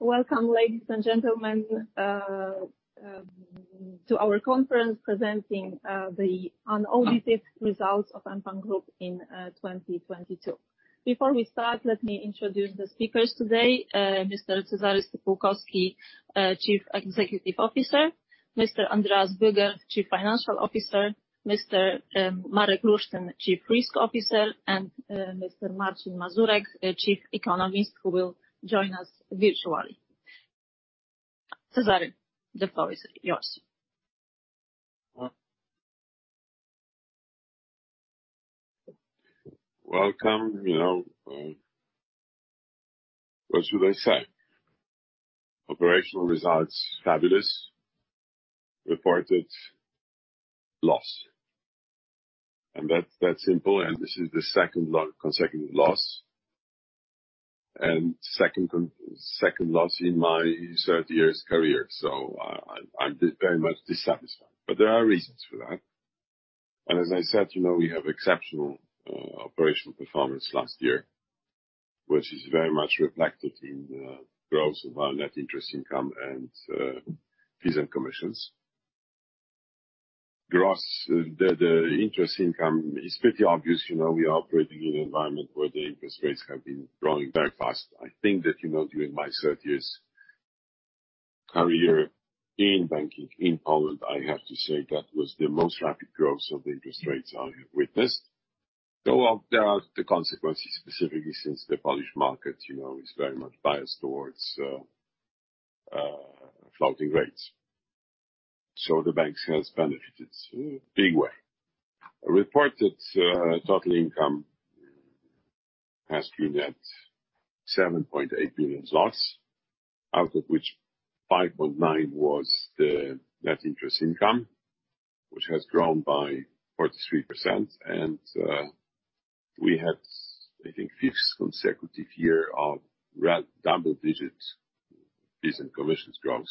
Welcome, ladies and gentlemen, to our conference presenting the unaudited results of mBank Group in 2022. Before we start, let me introduce the speakers today. Mr. Cezary Stypułkowski, Chief Executive Officer, Mr. Andreas Böger, Chief Financial Officer, Mr. Marek Lusztyn, Chief Risk Officer, and Mr. Marcin Mazurek, Chief Economist, who will join us virtually. Cezary, the floor is yours. Welcome. You know, what should I say? Operational results, fabulous. Reported loss, that's simple, and this is the second consecutive loss and second loss in my 30 years career. So I'm very much dissatisfied. There are reasons for that. As I said, you know, we have exceptional operational performance last year, which is very much reflected in the growth of our net interest income and fees and commissions. Gross, the interest income is pretty obvious. You know, we are operating in an environment where the interest rates have been growing very fast. I think that, you know, during my 30 years' career in banking in Poland, I have to say that was the most rapid growth of the interest rates I have witnessed, though of there are the consequences, specifically since the Polish market, you know, is very much biased towards floating rates. So the banks has benefited big way. Reported total income has been at 7.8 billion zlotys, out of which 5.9 billion was the net interest income, which has grown by 43%. And we had, I think fifth consecutive year of double digits fees and commissions growth.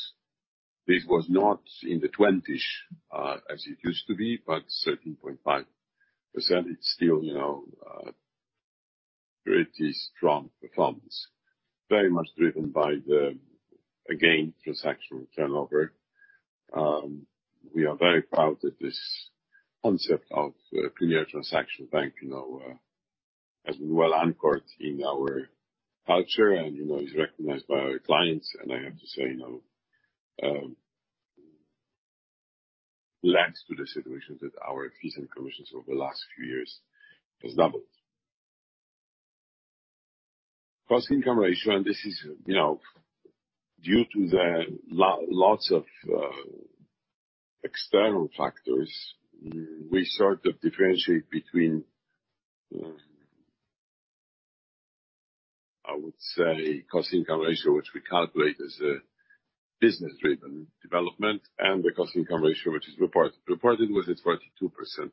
This was not in the 20s, as it used to be, but 13.5%. It's still, you know, pretty strong performance. Very much driven by the, again, transactional turnover. We are very proud that this concept of premier transactional bank, you know, has been well anchored in our culture and, you know, is recognized by our clients, and I have to say, you know, led to the situation that our fees and commissions over the last few years has doubled. Cost-income ratio, this is, you know, due to the lots of external factors. We sort of differentiate between, I would say cost-income ratio, which we calculate as a business-driven development and the cost-income ratio, which is reported with its 42%+.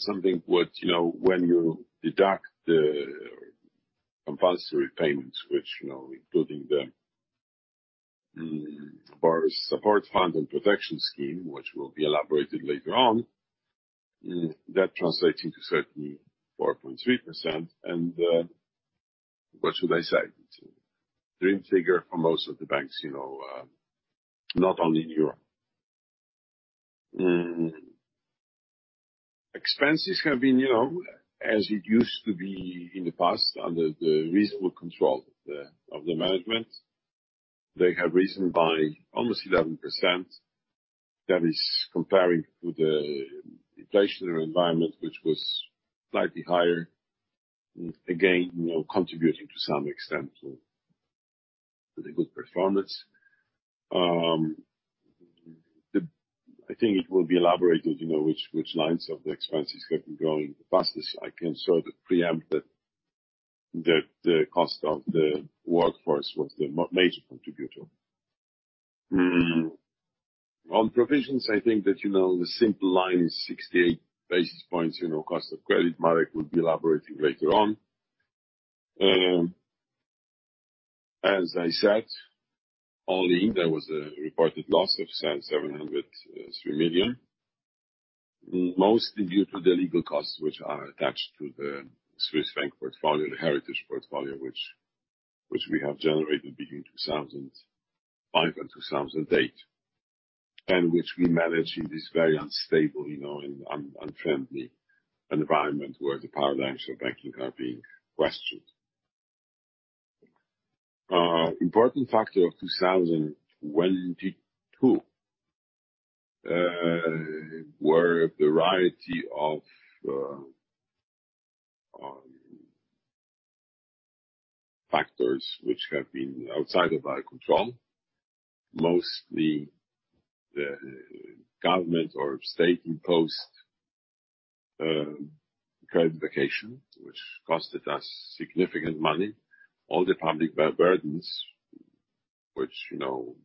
Something what, you know, when you deduct the compulsory payments, which, you know, including the Support Fund and protection scheme, which will be elaborated later on, that translating to certainly 34.3%. And what should I say? Dream figure for most of the banks, you know, not only in Europe. Expenses have been, you know, as it used to be in the past, under the reasonable control of the management. They have risen by almost 11%. That is comparing to the inflationary environment, which was slightly higher. Again, you know, contributing to some extent to the good performance. I think it will be elaborated, you know, which lines of the expenses have been growing the fastest. I can sort of preempt that the cost of the workforce was the major contributor. On provisions, I think that, you know, the simple line is 68 basis points, you know, cost of credit, Marek will be elaborating later on. And as I said, only there was a reported loss of 703 million, mostly due to the legal costs which are attached to the Swiss franc portfolio, the heritage portfolio which we have generated between 2005 and 2008, and which we manage in this very unstable, you know, and unfriendly environment where the paradigms of banking are being questioned. Important factor of 2022 were a variety of factors which have been outside of our control, mostly the government or state-imposed credit vacation, which costed us significant money. All the public burdens which, you know,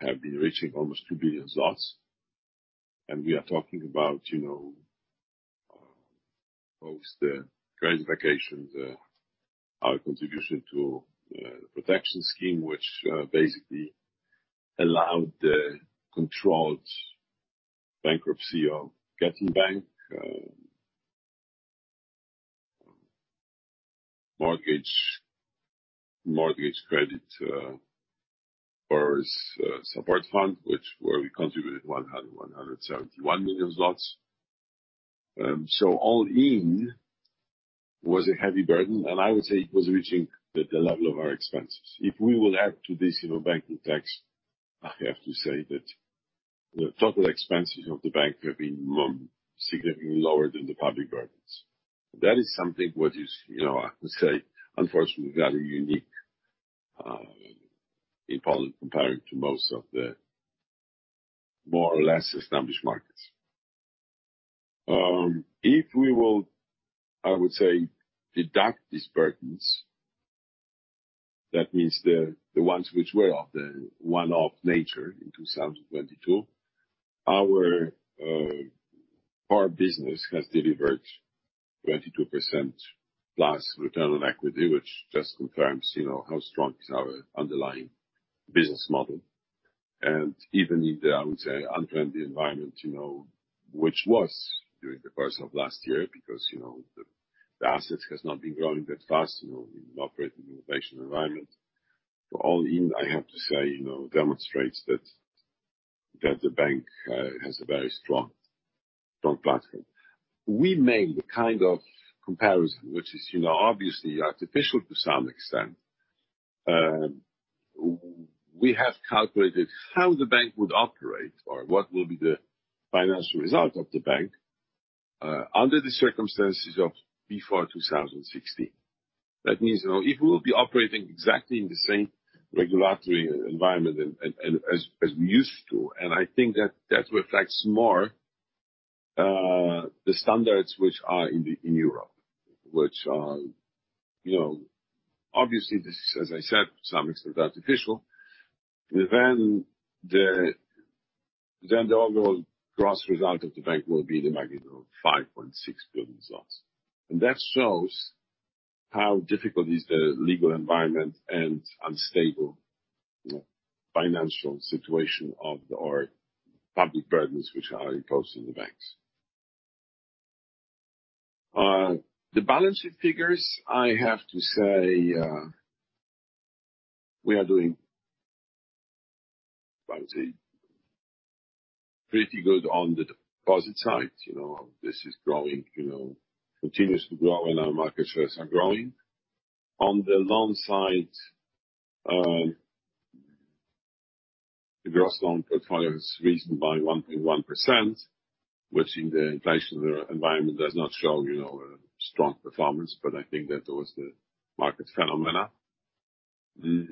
have been reaching almost 2 billion. And we are talking about, you know, both the credit vacations, and our contribution to the protection scheme, which basically allowed the controlled bankruptcy of Getin Bank, mortgage credit Borrowers' Support Fund, where we contributed 171 million zlotys. And so all in, was a heavy burden, and I would say it was reaching the level of our expenses. If we will add to this, you know, banking tax, I have to say that the total expenses of the bank have been significantly lower than the public burdens. That is something what is, you know, I would say, unfortunately, very unique in Poland, comparing to most of the more or less established markets. If we will, I would say, deduct these burdens, that means the ones which were of the one-off nature in 2022, our business has delivered 22%+ return on equity, which just confirms, you know, how strong is our underlying business model. And even in the, I would say, unfriendly environment, you know, which was during the course of last year, because, you know, the assets has not been growing that fast, you know, we operate in innovation environment. All in, I have to say, you know, demonstrates that the bank has a very strong platform. We made the kind of comparison, which is, you know, obviously artificial to some extent. We have calculated how the bank would operate or what will be the financial result of the bank under the circumstances of before 2016. That means, you know, it will be operating exactly in the same regulatory environment and as we used to. And I think that that reflects more the standards which are in Europe, which are, you know… Obviously, this is, as I said, to some extent artificial. And then the overall gross result of the bank will be the magnitude of 5.6 billion. That shows how difficult is the legal environment and unstable, you know, financial situation of our public burdens which are imposed on the banks. The balance sheet figures, I have to say, we are doing, I would say, pretty good on the deposit side, you know. This is growing, you know, continues to grow and our market shares are growing. On the loan side, the gross loan portfolio has risen by 1.1%, which in the inflation environment does not show, you know, a strong performance, but I think that was the market phenomena. I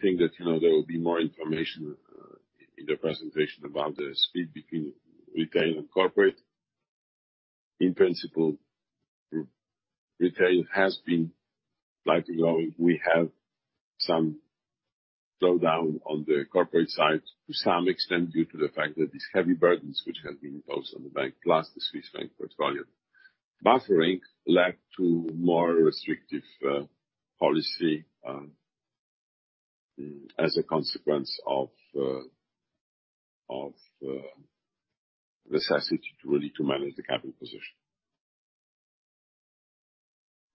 think that, you know, there will be more information in the presentation about the speed between retail and corporate. In principle, retail has been likely growing. We have some slowdown on the corporate side to some extent, due to the fact that these heavy burdens, which have been imposed on the bank, plus the Swiss franc portfolio. Buffering led to more restrictive policy as a consequence of necessity to really to manage the capital position.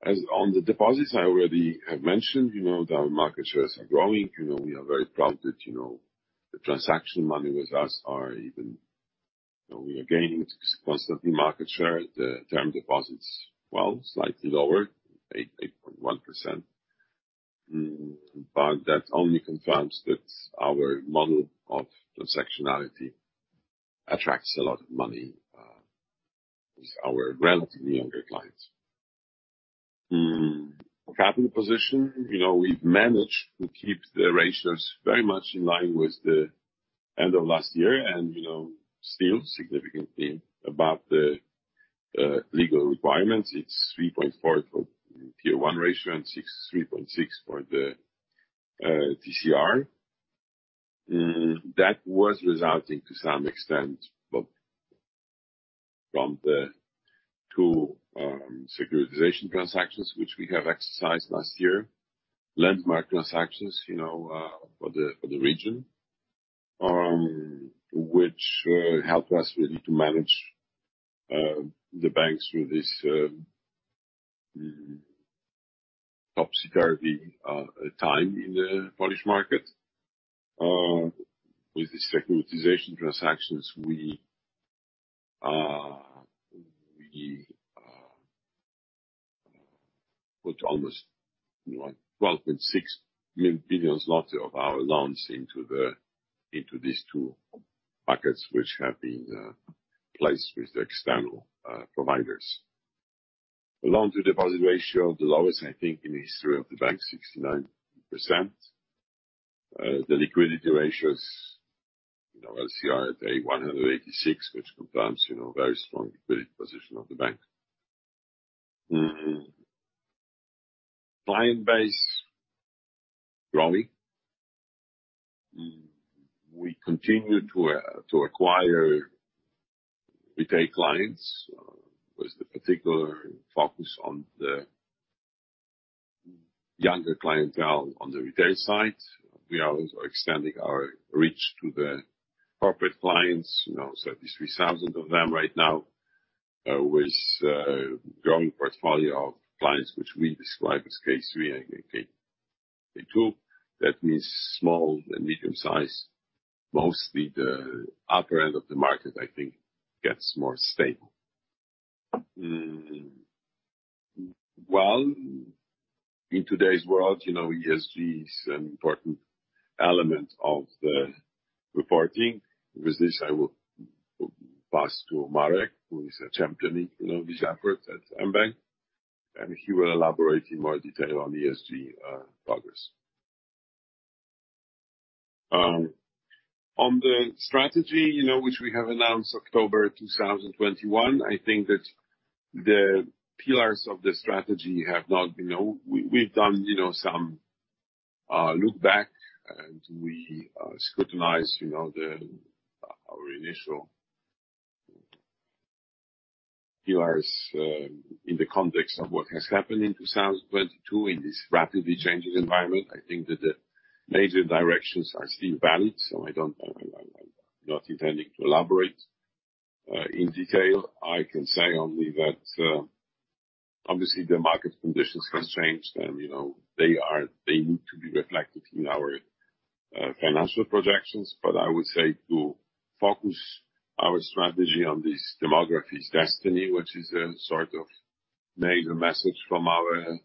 As on the deposits, I already have mentioned, you know, that our market shares are growing. You know, we are very proud that, you know, the transaction money with us are even. You know, we are gaining constantly market share. The term deposits, well, slightly lower, at 8.1%. That only confirms that our model of transactionality attracts a lot of money, with our relatively younger clients. Capital position, you know, we've managed to keep the ratios very much in line with the end of last year and, you know, still significantly above the legal requirements. It's 3.4% for Tier 1 ratio and 3.6% for the TCR. That was resulting to some extent, but from the two securitization transactions which we have exercised last year, landmark transactions, you know, for the region, which helped us really to manage the banks through this topsy-turvy time in the Polish market. With the securitization transactions, we put almost, you know, 12.6 billion zlotys of our loans into these two buckets, which have been placed with the external providers. Loan-to-deposit ratio, the lowest, I think, in the history of the bank, 69%. The liquidity ratios, you know, LCR at 186%, which confirms, you know, very strong liquidity position of the bank. Client base growing. We continue to acquire retail clients, with the particular focus on the younger clientele on the retail side. We are also extending our reach to the corporate clients, you know, 33,000 of them right now, with a growing portfolio of clients, which we describe as K3 and K2. That means small and medium-sized. Mostly the upper end of the market, I think, gets more stable. In today's world, you know, ESG is an important element of the reporting. I will pass to Marek, who is championing, you know, this effort at mBank, and he will elaborate in more detail on the ESG progress. On the strategy, you know, which we have announced October 2021, I think that the pillars of the strategy have not, you know... We've done, you know, some look back and we scrutinized, you know, our initial pillars in the context of what has happened in 2022 in this rapidly changing environment. I think that the major directions are still valid, so I'm not intending to elaborate in detail. I can say only that, obviously the market conditions has changed and, you know, they need to be reflected in our financial projections. But I would say to focus our strategy on this demography's destiny, which is a sort of major message from our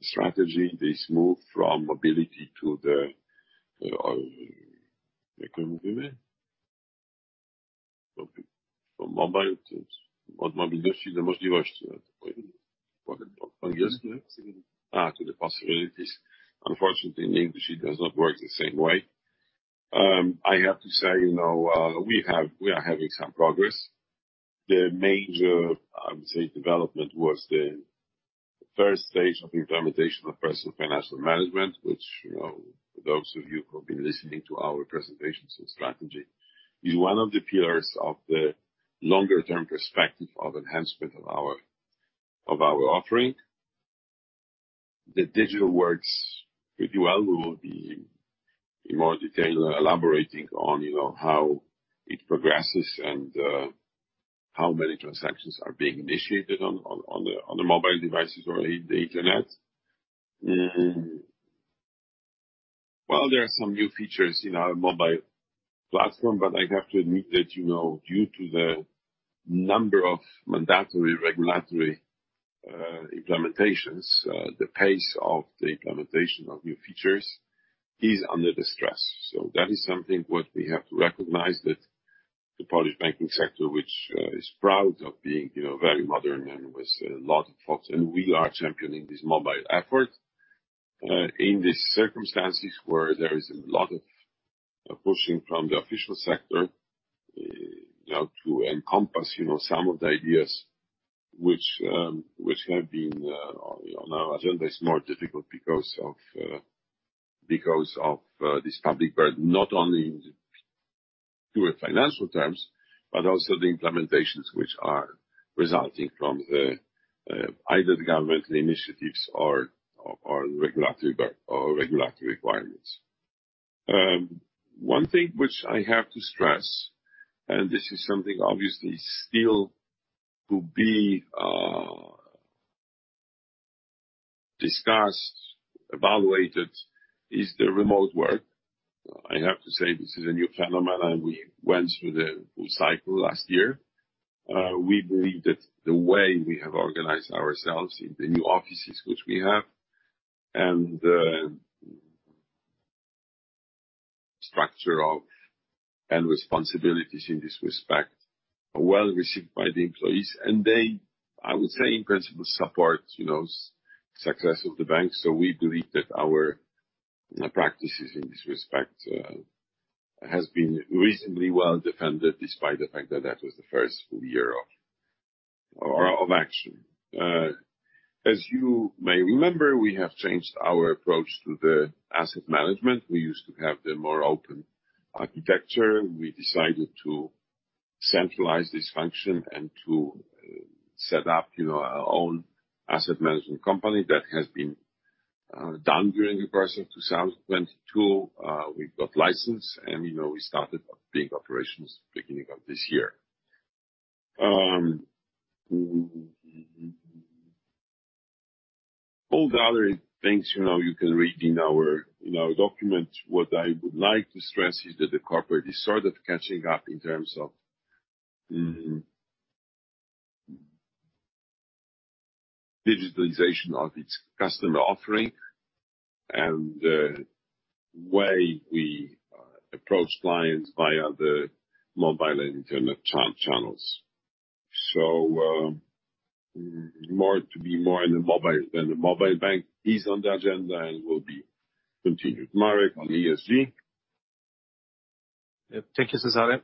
strategy. This move from mobility to the possibilities. Unfortunately, in English, it does not work the same way. I have to say, you know, we are having some progress. The major, I would say, development was the first stage of implementation of personal financial management, which, you know, for those of you who have been listening to our presentations on strategy, is one of the pillars of the longer-term perspective of enhancement of our offering. The digital works pretty well. We will be in more detail elaborating on, you know, how it progresses and how many transactions are being initiated on the mobile devices or the internet. There are some new features in our mobile platform, but I have to admit that, you know, due to the number of mandatory regulatory implementations, the pace of the implementation of new features is under distress. That is something what we have to recognize that the Polish banking sector, which is proud of being, you know, very modern and with a lot of thoughts, and we are championing this mobile effort. In these circumstances where there is a lot of pushing from the official sector, you know, to encompass, you know, some of the ideas which have been on our agenda is more difficult because of because of this public burden. Not only in the pure financial terms, but also the implementations which are resulting from the either the government initiatives or regulatory or regulatory requirements. And one thing which I have to stress, and this is something obviously still to be discussed, evaluated, is the remote work. I have to say this is a new phenomenon. We went through the full cycle last year. We believe that the way we have organized ourselves in the new offices which we have and the structure of and responsibilities in this respect are well received by the employees. They, I would say, in principle support, you know, success of the mBank. So we believe that our practices in this respect has been reasonably well defended, despite the fact that that was the first full year of action. As you may remember, we have changed our approach to the asset management. We used to have the more open architecture. We decided to centralize this function and to set up, you know, our own asset management company that has been done during the course of 2022. We got license and, you know, we started up big operations beginning of this year. All the other things, you know, you can read in our, in our documents. What I would like to stress is that the corporate is sort of catching up in terms of digitalization of its customer offering and the way we approach clients via the mobile and internet channels. More to be more in the mobile than the mBank is on the agenda and will be continued. Marek, on ESG. Thank you, Cezary.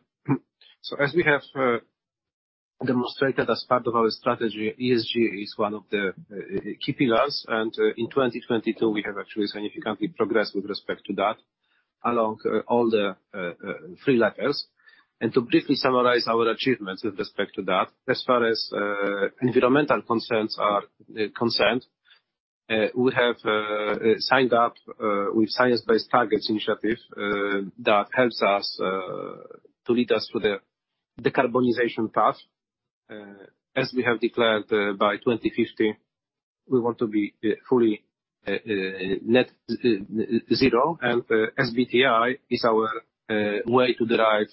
So as we have demonstrated as part of our strategy, ESG is one of the key pillars. In 2022, we have actually significantly progressed with respect to that, along all the three levels. And to briefly summarize our achievements with respect to that, as far as environmental concerns are concerned, we have signed up with Science Based Targets initiative that helps us to lead us to the decarbonization path. As we have declared, by 2050, we want to be fully net-zero. SBTi is our way to derive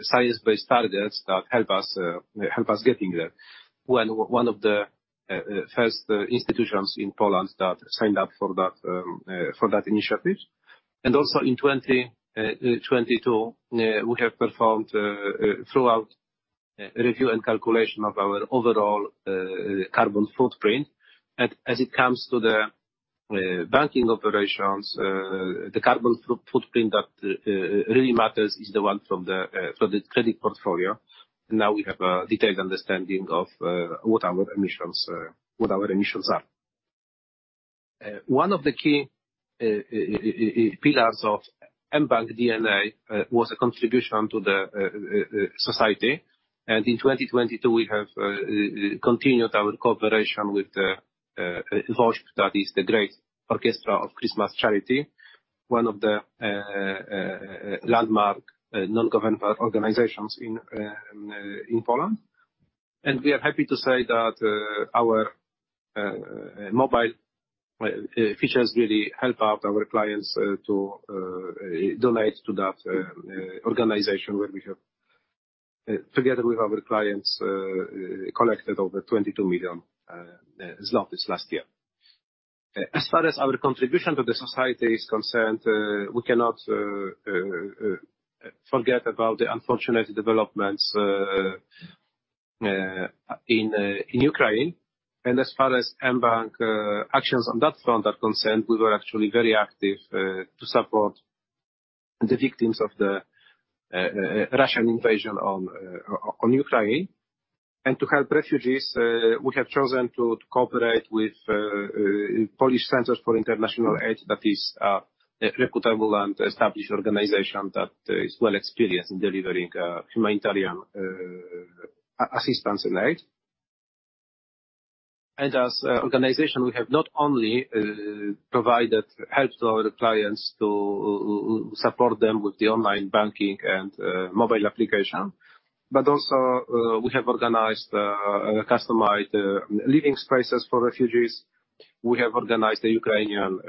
science-based targets that help us help us getting there. We're one of the first institutions in Poland that signed up for that for that initiative. Also in 2022, we have performed throughout review and calculation of our overall carbon footprint. As it comes to the banking operations, the carbon footprint that really matters is the one from the credit portfolio. Now we have a detailed understanding of what our emissions are. One of the key pillars of mBank DNA was a contribution to society. In 2022, we have continued our cooperation with the WOŚP, that is the Great Orchestra of Christmas Charity, one of the landmark non-government organizations in Poland. And we are happy to say that our mobile features really help out our clients to donate to that organization, where we have, together with our clients, collected over 22 million zlotys last year. As far as our contribution to the society is concerned, we cannot forget about the unfortunate developments in Ukraine. As far as mBank actions on that front are concerned, we were actually very active to support the victims of the Russian invasion on Ukraine. To help refugees, we have chosen to cooperate with Polish Center for International Aid, that is a reputable and established organization that is well experienced in delivering humanitarian assistance and aid. As an organization, we have not only provided help to our clients to support them with the online banking and mobile application, but also, we have organized customized living spaces for refugees. We have organized the Ukrainian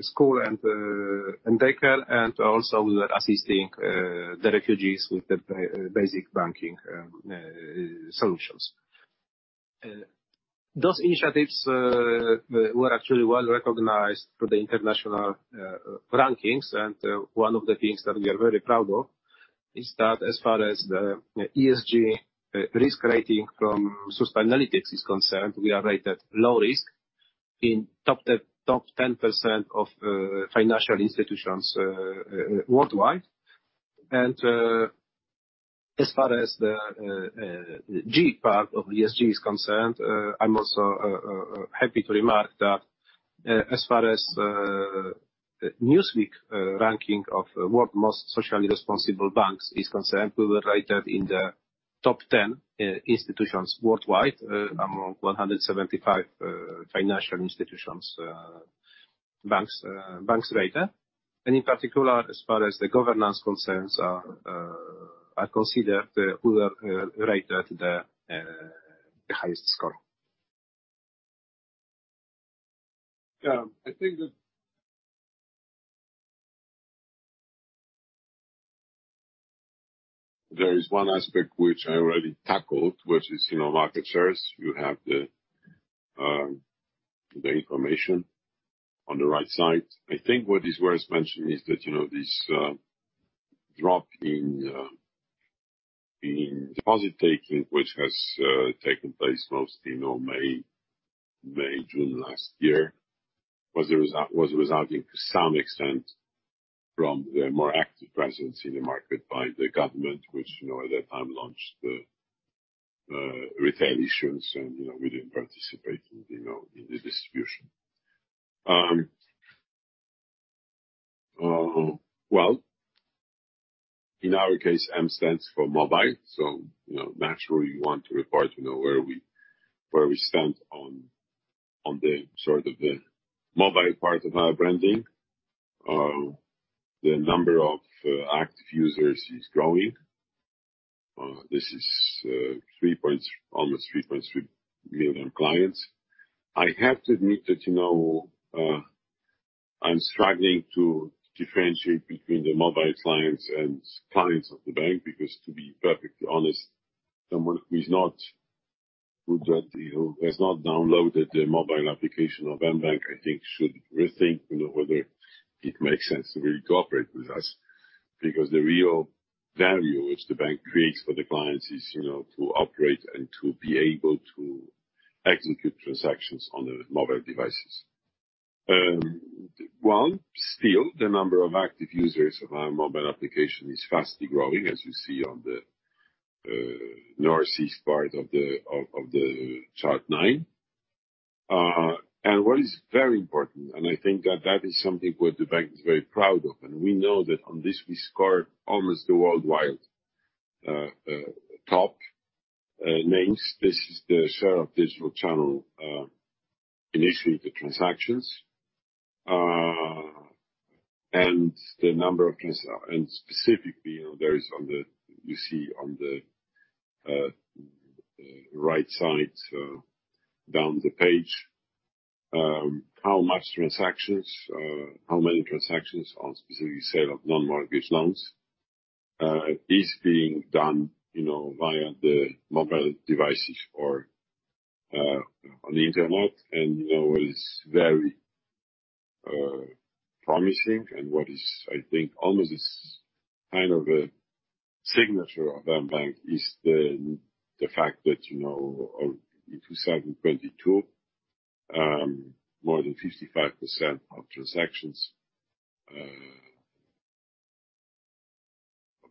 school and daycare, and also we are assisting the refugees with the basic banking solutions. Those initiatives were actually well-recognized through the international rankings. One of the things that we are very proud of is that as far as the ESG Risk Rating from Sustainalytics is concerned, we are rated Low Risk in top 10% of financial institutions worldwide. As far as the, G part of the ESG is concerned, I'm also, happy to remark that, as far as, Newsweek, ranking of World's Most Socially Responsible Banks is concerned, we were rated in the top 10, institutions worldwide, among 175, financial institutions, banks rated. In particular, as far as the governance concerns are considered, we were, rated the highest score. I think there is one aspect which I already tackled, which is, you know, market shares. You have the information on the right side. I think what is worth mentioning is that, you know, this drop in deposit-taking, which has taken place mostly, you know, May, June last year, was resulting to some extent from the more active presence in the market by the government, which, you know, at that time launched the retail issuance and, you know, we didn't participate in, you know, in the distribution. Well, in our case, M stands for mobile, so you know, naturally you want to report, you know, where we stand on the sort of the mobile part of our branding. The number of active users is growing. This is almost 3.3 million clients. I have to admit that, you know, I'm struggling to differentiate between the mobile clients and clients of the bank, because to be perfectly honest, someone who's not, who has not downloaded the mobile application of mBank, I think should rethink, you know, whether it makes sense to really cooperate with us because the real value which the bank creates for the clients is, you know, to operate and to be able to execute transactions on their mobile devices. Well, still, the number of active users of our mobile application is fast growing, as you see on the northeast part of the chart nine. And what is very important, and I think that that is something what mBank is very proud of, and we know that on this we scored almost the worldwide top names. This is the share of digital channel-initiated transactions, and specifically, you know, you see on the right side down the page, how much transactions, how many transactions are specifically sale of non-mortgage loans is being done, you know, via the mobile devices or on the Internet. You know, what is very promising and what is I think almost is kind of a signature of mBank is the fact that, you know, in 2022, more than 55% of transactions of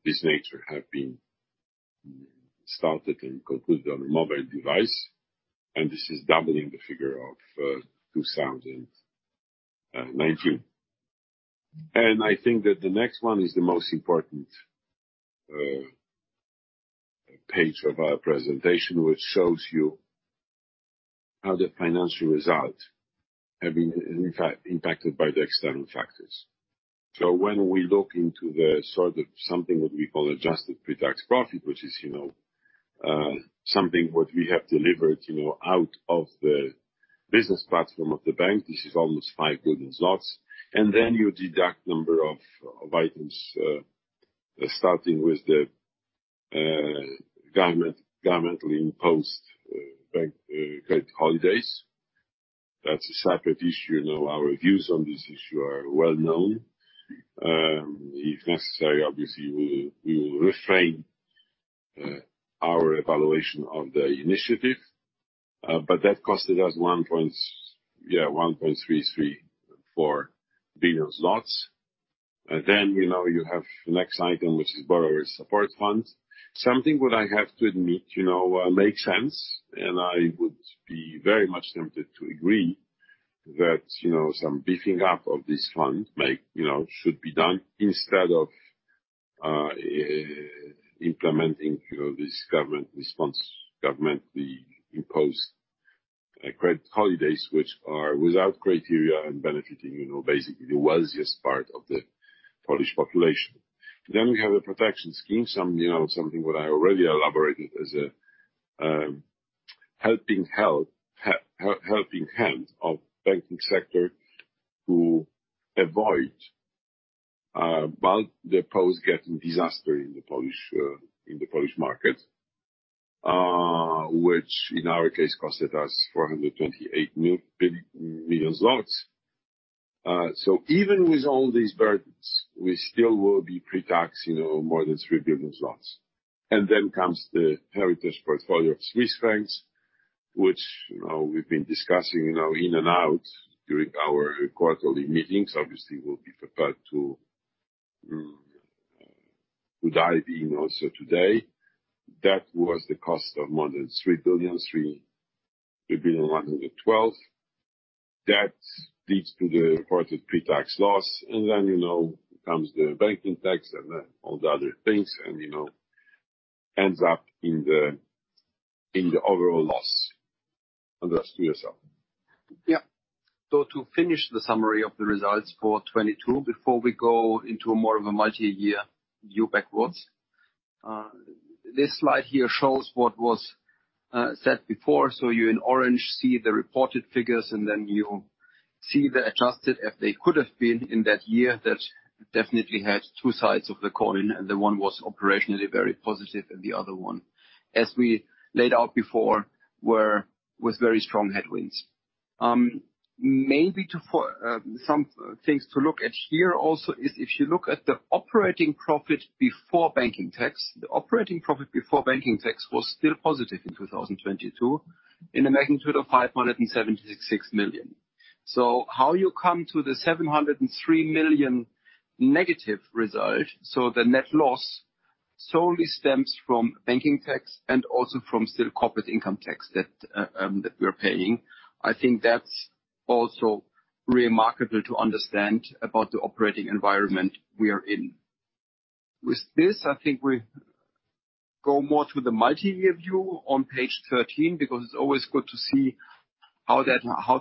this nature have been started and concluded on a mobile device, and this is doubling the figure of 2019. I think that the next one is the most important page of our presentation, which shows you how the financial results have been in fact impacted by the external factors. When we look into the sort of something what we call adjusted pre-tax profit, which is, you know, something what we have delivered, you know, out of the business platform of the bank, this is almost 5 billion zlotys. And then you deduct number of items, starting with the government, governmentally imposed bank credit holidays. That's a separate issue. You know, our views on this issue are well-known. If necessary, obviously, we will, we will refrain our evaluation of the initiative, but that costed us 1.334 billion zlotys. Then, you know, you have the next item, which is Borrowers' Support Fund. Something what I have to admit, you know, makes sense, and I would be very much tempted to agree that, you know, some beefing up of this fund might, you know, should be done instead of implementing, you know, this government response, governmentally imposed credit holidays, which are without criteria and benefiting, you know, basically the wealthiest part of the Polish population. We have a protection scheme, some, you know, something what I already elaborated as a helping hand of banking sector to avoid bank deposit getting disaster in the Polish market, which in our case costed us 428 million zlotys. Even with all these burdens, we still will be pre-tax, you know, more than 3 billion zlotys. Comes the heritage portfolio of Swiss francs, which, you know, we've been discussing, you know, in and out during our quarterly meetings. Obviously we'll be prepared to dive in also today. That was the cost of more than 3.112 billion. That leads to the reported pre-tax loss, and then, you know, comes the banking tax and then all the other things and, you know, ends up in the, in the overall loss. Andreas, to yourself. Yeah. To finish the summary of the results for 2022, before we go into more of a multi-year view backwards, this slide here shows what was said before. So you in orange see the reported figures, and then you see the adjusted if they could have been in that year that definitely had two sides of the coin, and the one was operationally very positive, and the other one, as we laid out before, was very strong headwinds. Maybe to for some things to look at here also is if you look at the operating profit before banking tax, the operating profit before banking tax was still positive in 2022 in a magnitude of 576 million. So how you come to the 703 million negative result? So the net loss solely stems from banking tax and also from still corporate income tax that we're paying. I think that's also remarkable to understand about the operating environment we are in. With this, I think we go more to the multi-year view on page 13, because it's always good to see how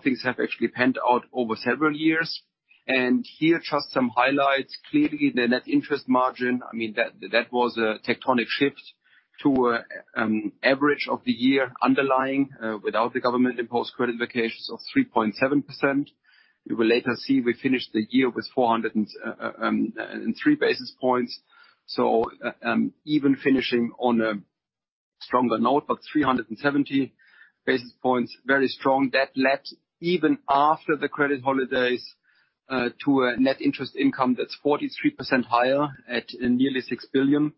things have actually panned out over several years. Here, just some highlights. Clearly, the net interest margin, I mean, that was a tectonic shift to average of the year underlying, without the government-imposed credit holidays of 3.7%. You will later see we finished the year with 403 basis points. So even finishing on a stronger note, but 370 basis points, very strong. That led even after the credit holidays, to a net interest income that's 43% higher at nearly 6 billion.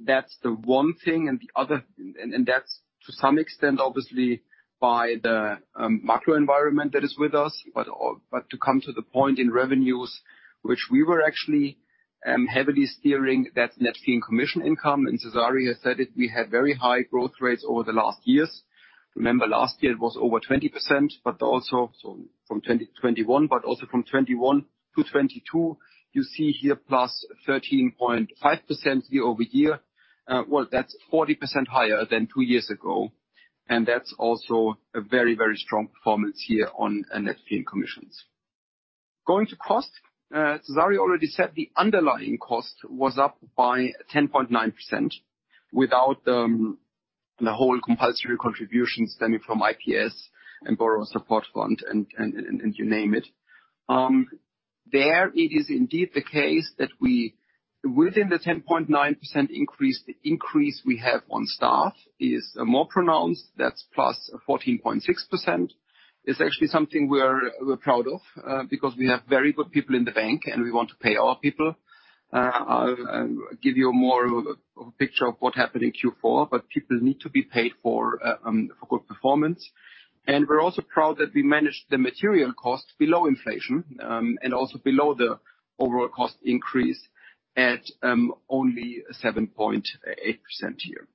That's the one thing and that's to some extent, obviously, by the macro environment that is with us. But to come to the point in revenues, which we were actually I'm heavily steering that net fee and commission income, and Cezary has said it, we had very high growth rates over the last years. Remember last year it was over 20%, but also from 2021, but also from 2021 to 2022, you see here +13.5% year-over-year. Well, that's 40% higher than two years ago, and that's also a very strong performance here on net fee and commissions. Going to cost, Cezary already said the underlying cost was up by 10.9% without the whole compulsory contribution stemming from IPS and Borrowers' Support Fund and you name it. There it is indeed the case that we, within the 10.9% increase, the increase we have on staff is more pronounced. That's +14.6%. It's actually something we're proud of because we have very good people in the bank, and we want to pay our people. I'll give you more of a picture of what happened in Q4, but people need to be paid for good performance. And we're also proud that we managed the material cost below inflation and also below the overall cost increase at only 7.8% here.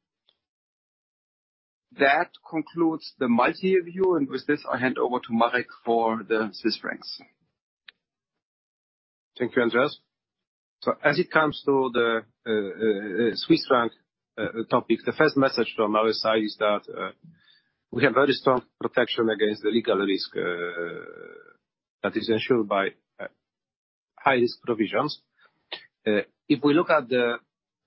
That concludes the multi-year view. With this, I'll hand over to Marek for the Swiss francs. Thank you, Andreas. As it comes to the Swiss franc topic, the first message from our side is that we have very strong protection against the legal risk that is ensured by highest provisions. If we look at the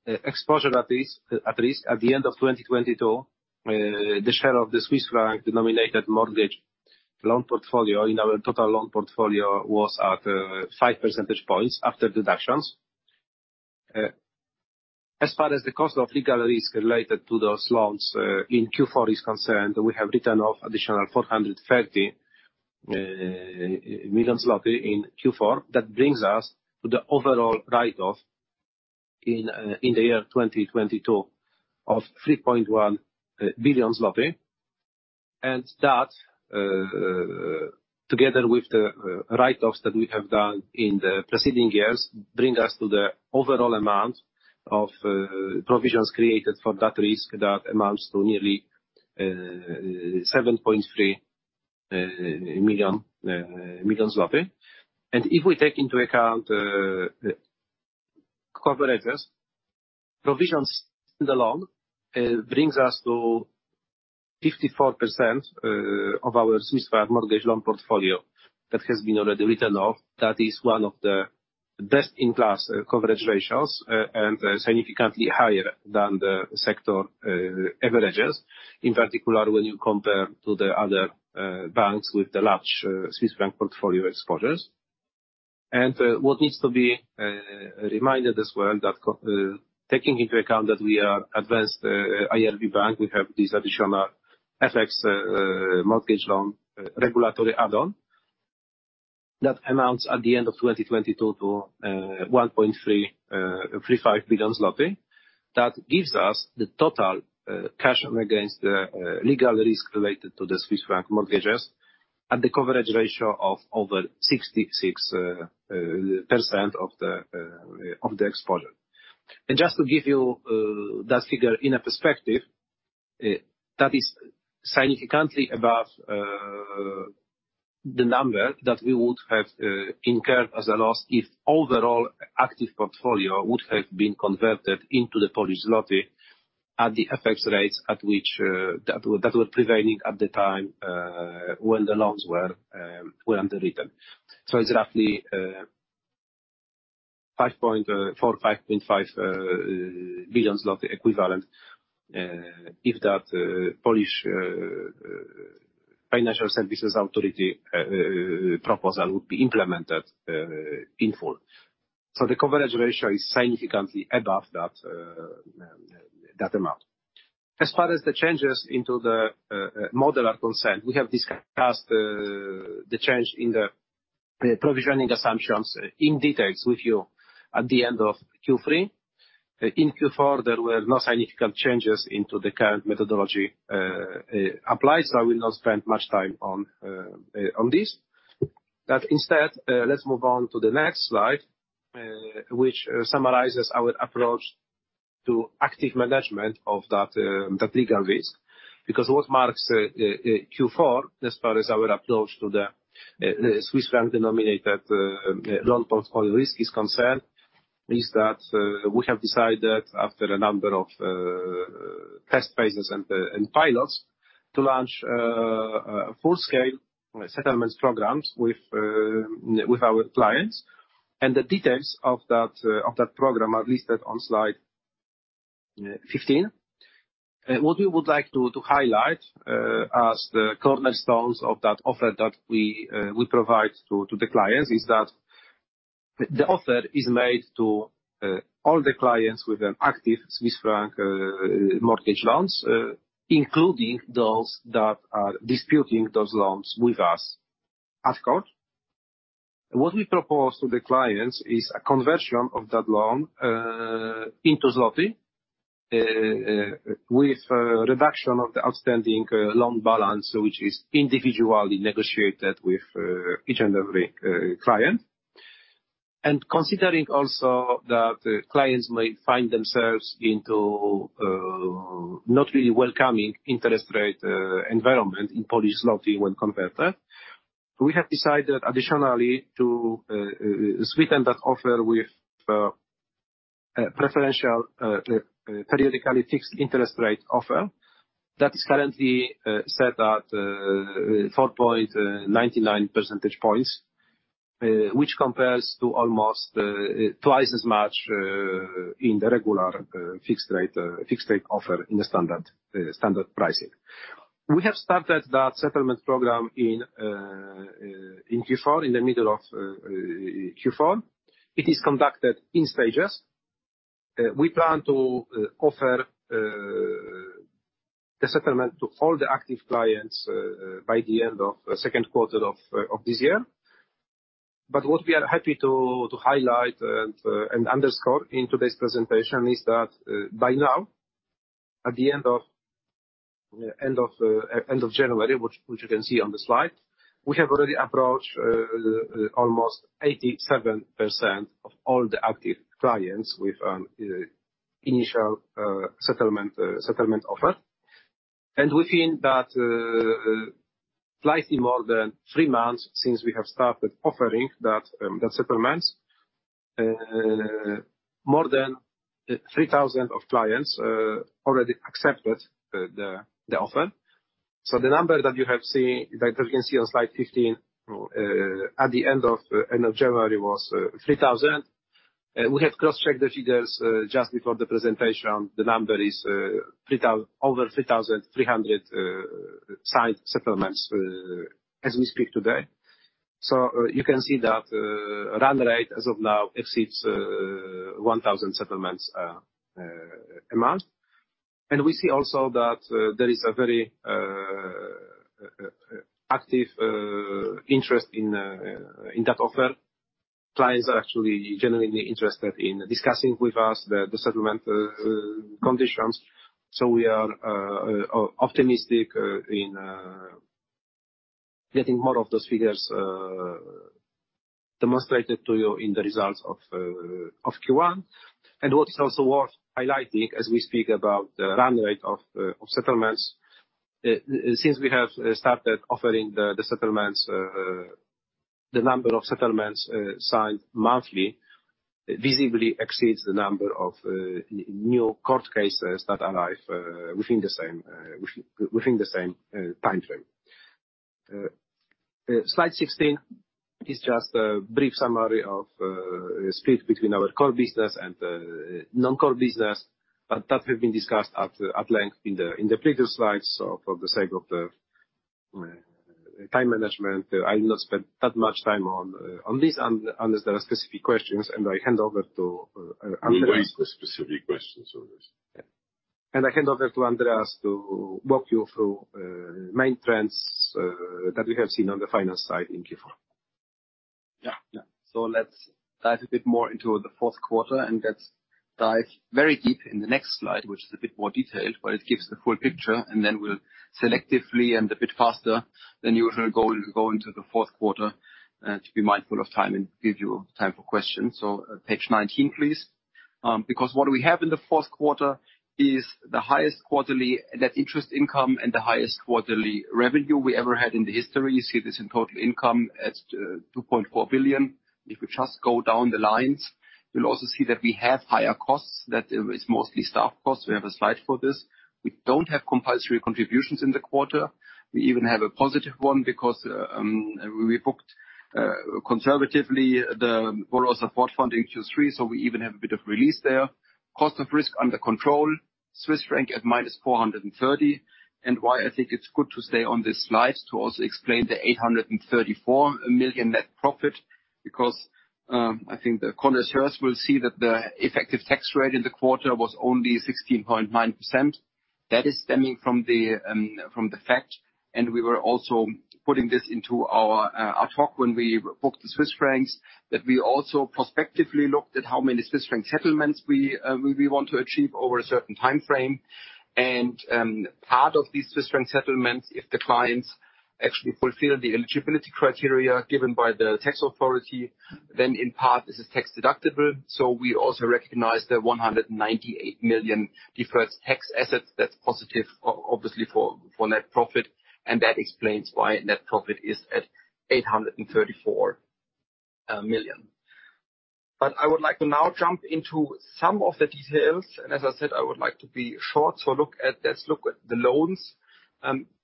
exposure at least, at least at the end of 2022, the share of the Swiss franc-denominated mortgage loan portfolio in our total loan portfolio was at 5 percentage points after deductions. As far as the cost of legal risk related to those loans in Q4 is concerned, we have written off additional 430 million zloty in Q4. That brings us to the overall write-off in the year 2022 of 3.1 billion zloty. And that, together with the write-offs that we have done in the preceding years, bring us to the overall amount of provisions created for that risk that amounts to nearly 7.3 million. If we take into account the coverages, provisions in the loan, brings us to 54% of our Swiss franc mortgage loan portfolio that has been already written off. That is one of the best-in-class coverage ratios and significantly higher than the sector averages, in particular, when you compare to the other banks with the large Swiss franc portfolio exposures. And what needs to be reminded as well, that taking into account that we are advanced IRB bank, we have this additional FX mortgage loan regulatory add-on that amounts at the end of 2022 to 1.335 billion zloty. That gives us the total cushion against the legal risk related to the Swiss franc mortgages at the coverage ratio of over 66% of the of the exposure. And just to give you that figure in a perspective, that is significantly above the number that we would have incurred as a loss if overall active portfolio would have been converted into the Polish złoty at the FX rates at which that were prevailing at the time when the loans were underwritten. It's roughly 5.4 billion-5.5 billion zloty equivalent if that Polish financial services authority proposal would be implemented in full. The coverage ratio is significantly above that amount. As far as the changes into the model are concerned, we have discussed the change in the provisioning assumptions in details with you at the end of Q3. In Q4, there were no significant changes into the current methodology applied, so I will not spend much time on this. Instead, let's move on to the next slide, which summarizes our approach to active management of that legal risk. What marks Q4 as far as our approach to the Swiss franc-denominated loan portfolio risk is concerned, is that we have decided after a number of test phases and pilots to launch full-scale settlements programs with our clients. The details of that program are listed on slide 15. What we would like to highlight as the cornerstones of that offer that we provide to the clients is that the offer is made to all the clients with an active Swiss franc mortgage loans, including those that are disputing those loans with us at court. What we propose to the clients is a conversion of that loan into złoty, with reduction of the outstanding loan balance which is individually negotiated with each and every client. Considering also that the clients may find themselves into not really welcoming interest rate environment in Polish złoty when converted, we have decided additionally to sweeten that offer with preferential periodically fixed interest rate offer that is currently set at 4.99 percentage points, which compares to almost twice as much in the regular fixed rate offer in the standard pricing. We have started that settlement program in Q4, in the middle of Q4. It is conducted in stages. We plan to offer the settlement to all the active clients by the end of the second quarter of this year. What we are happy to highlight and underscore in today's presentation is that by now, at the end of January, which you can see on the slide, we have already approached almost 87% of all the active clients with initial settlement offer. Within that, slightly more than three months since we have started offering that settlements, more than 3,000 of clients already accepted the offer. The number that you can see on slide 15 at the end of January was 3,000. We have cross-checked the figures just before the presentation. The number is over 3,300 signed settlements as we speak today. You can see that run rate as of now exceeds 1,000 settlements a month. And we see also that there is a very active interest in that offer. Clients are actually genuinely interested in discussing with us the settlement conditions. We are optimistic in getting more of those figures demonstrated to you in the results of Q1. What is also worth highlighting as we speak about the run rate of settlements, since we have started offering the settlements, the number of settlements signed monthly visibly exceeds the number of new court cases that arrive within the same timeframe. Slide 16 is just a brief summary of split between our core business and non-core business, but that have been discussed at length in the previous slides. So for the sake of the time management, I will not spend that much time on this unless there are specific questions. And I hand over to Andreas. We'll raise the specific questions on this. Yeah. I hand over to Andreas to walk you through main trends that we have seen on the finance side in Q4. Yeah. Yeah. So let's dive a bit more into the fourth quarter and let's dive very deep in the next slide, which is a bit more detailed, but it gives the full picture, and then we'll selectively and a bit faster than usual go into the fourth quarter to be mindful of time and give you time for questions. Page 19, please. Because what we have in the fourth quarter is the highest quarterly net interest income and the highest quarterly revenue we ever had in the history. You see this in total income at 2.4 billion. If you just go down the lines, you'll also see that we have higher costs, that is mostly staff costs. We have a slide for this. We don't have compulsory contributions in the quarter. We even have a +1 because we booked conservatively the Borrowers' Support Fund in Q3, so we even have a bit of release there. Cost of risk under control. Swiss franc at -430 million. And why I think it's good to stay on this slide to also explain the 834 million net profit, because I think the corners here will see that the effective tax rate in the quarter was only 16.9%. That is stemming from the fact, and we were also putting this into our talk when we booked the Swiss francs, that we also prospectively looked at how many Swiss franc settlements we want to achieve over a certain timeframe. And part of these Swiss franc settlements, if the clients actually fulfill the eligibility criteria given by the tax authority, then in part this is tax deductible. We also recognize the 198 million deferred tax asset. That's positive obviously for net profit, and that explains why net profit is at 834 million. I would like to now jump into some of the details, and as I said, I would like to be short. Let's look at the loans.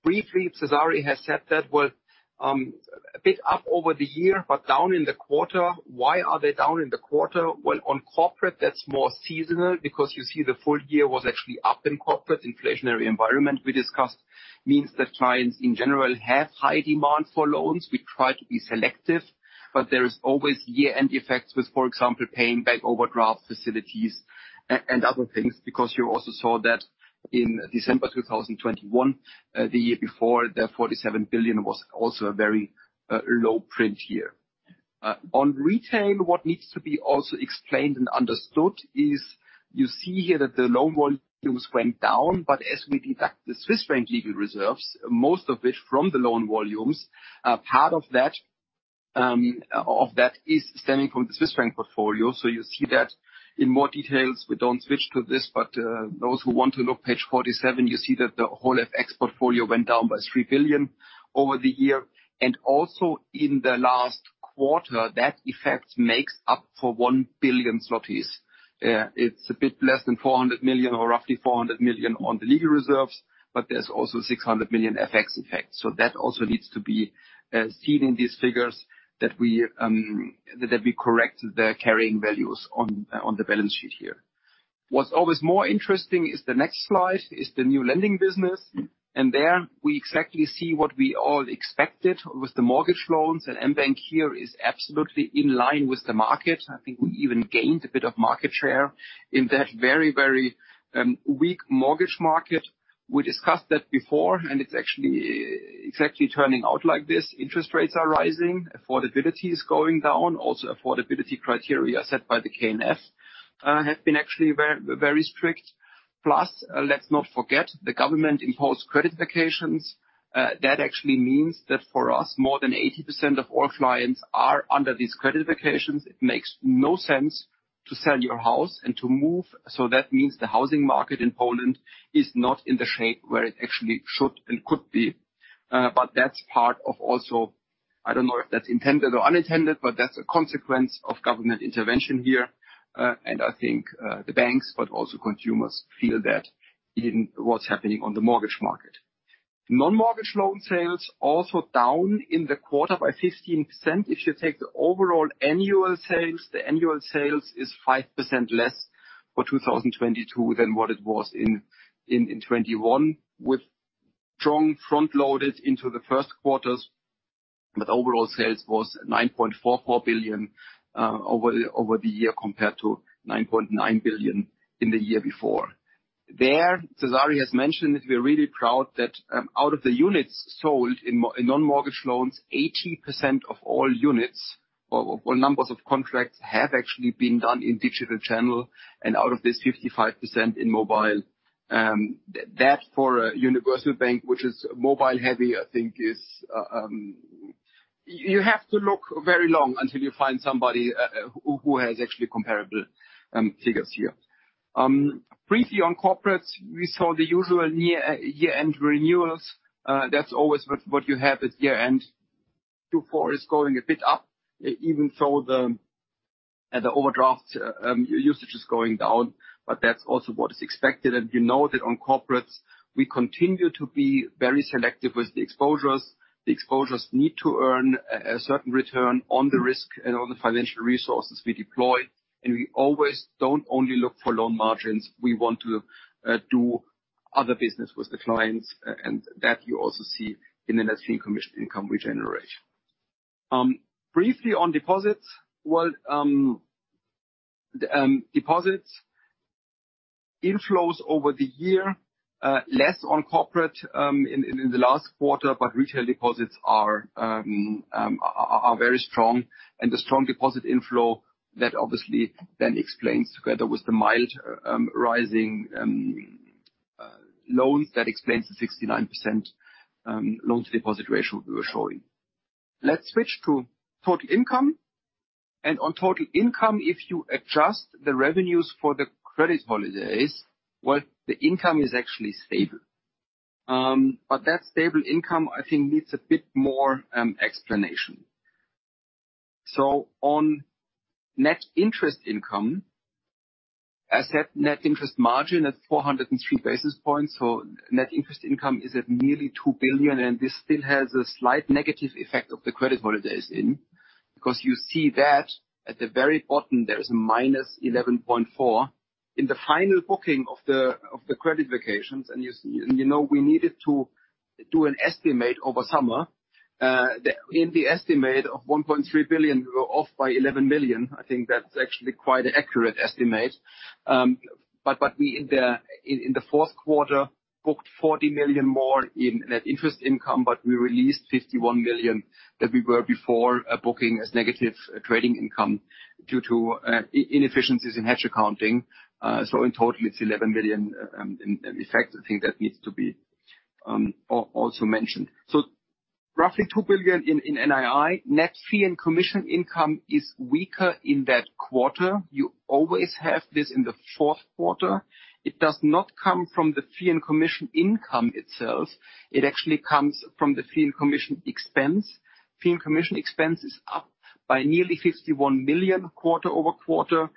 Briefly, Cezary has said that was a bit up over the year but down in the quarter. Why are they down in the quarter? Well, on corporate, that's more seasonal because you see the full year was actually up in corporate. Inflationary environment we discussed means that clients in general have high demand for loans. We try to be selective, but there is always year-end effects with, for example, paying back overdraft facilities and other things, because you also saw that in December 2021, the year before, the 47 billion was also a very low print year. On retail, what needs to be also explained and understood is you see here that the loan volumes went down, but as we deduct the Swiss franc legal reserves, most of which from the loan volumes, part of that is stemming from the Swiss franc portfolio. You see that in more details. We don't switch to this, but those who want to look, page 47, you see that the whole FX portfolio went down by 3 billion over the year. And also in the last quarter, that effect makes up for 1 billion zlotys. It's a bit less than 400 million or roughly 400 million on the legal reserves, but there's also 600 million FX effect. That also needs to be seen in these figures that we correct the carrying values on the balance sheet here. What's always more interesting is the next slide, is the new lending business. There we exactly see what we all expected with the mortgage loans. mBank here is absolutely in line with the market. I think we even gained a bit of market share in that very, very weak mortgage market. We discussed that before, and it's actually exactly turning out like this. Interest rates are rising, affordability is going down. Also, affordability criteria set by the KNF have been actually very, very strict. Plus, let's not forget, the government-imposed credit vacations. That actually means that for us, more than 80% of all clients are under these credit vacations. It makes no sense to sell your house and to move. That means the housing market in Poland is not in the shape where it actually should and could be. That's part of also... I don't know if that's intended or unintended, but that's a consequence of government intervention here. And I think, the banks, but also consumers feel that in what's happening on the mortgage market. Non-mortgage loan sales also down in the quarter by 15%. If you take the overall annual sales, the annual sales is 5% less for 2022 than what it was in 2021, with strong front-loaded into the first quarters. Overall sales was 9.44 billion over the year compared to 9.9 billion in the year before. There, Cezary has mentioned it, we're really proud that out of the units sold in non-mortgage loans, 80% of all units or numbers of contracts have actually been done in digital channel, and out of this 55% in mobile. And that for a universal bank, which is mobile-heavy, I think is, you have to look very long until you find somebody who has actually comparable figures here. Briefly on corporates, we saw the usual year-end renewals. That's always what you have at year-end. Q4 is going a bit up, even though the overdraft usage is going down, but that's also what is expected. You know that on corporates, we continue to be very selective with the exposures. The exposures need to earn a certain return on the risk and on the financial resources we deploy. We always don't only look for loan margins, we want to do other business with the clients, and that you also see in the net fee and commission income we generate. Briefly on deposits. Well, deposits inflows over the year, less on corporate, in the last quarter, but retail deposits are very strong. The strong deposit inflow that obviously then explains together with the mild, rising loans. That explains the 69% loan-to-deposit ratio we were showing. Let's switch to total income. On total income, if you adjust the revenues for the credit holidays, well, the income is actually stable. That stable income I think needs a bit more explanation. On net interest income, asset net interest margin at 403 basis points. So net interest income is at nearly 2 billion, and this still has a slight negative effect of the credit holidays in, because you see that at the very bottom there is -11.4 million. In the final booking of the credit vacations, and you know, we needed to do an estimate over summer. In the estimate of 1.3 billion, we were off by 11 million. I think that's actually quite an accurate estimate. But we in the fourth quarter, booked 40 million more in net interest income, but we released 51 million that we were before booking as negative trading income due to inefficiencies in hedge accounting. In total, it's 11 million in effect, I think that needs to be also mentioned. So roughly 2 billion in NII. Net fee and commission income is weaker in that quarter. You always have this in the fourth quarter. It does not come from the fee and commission income itself. It actually comes from the fee and commission expense. Fee and commission expense is up by nearly 51 million quarter-over-quarter.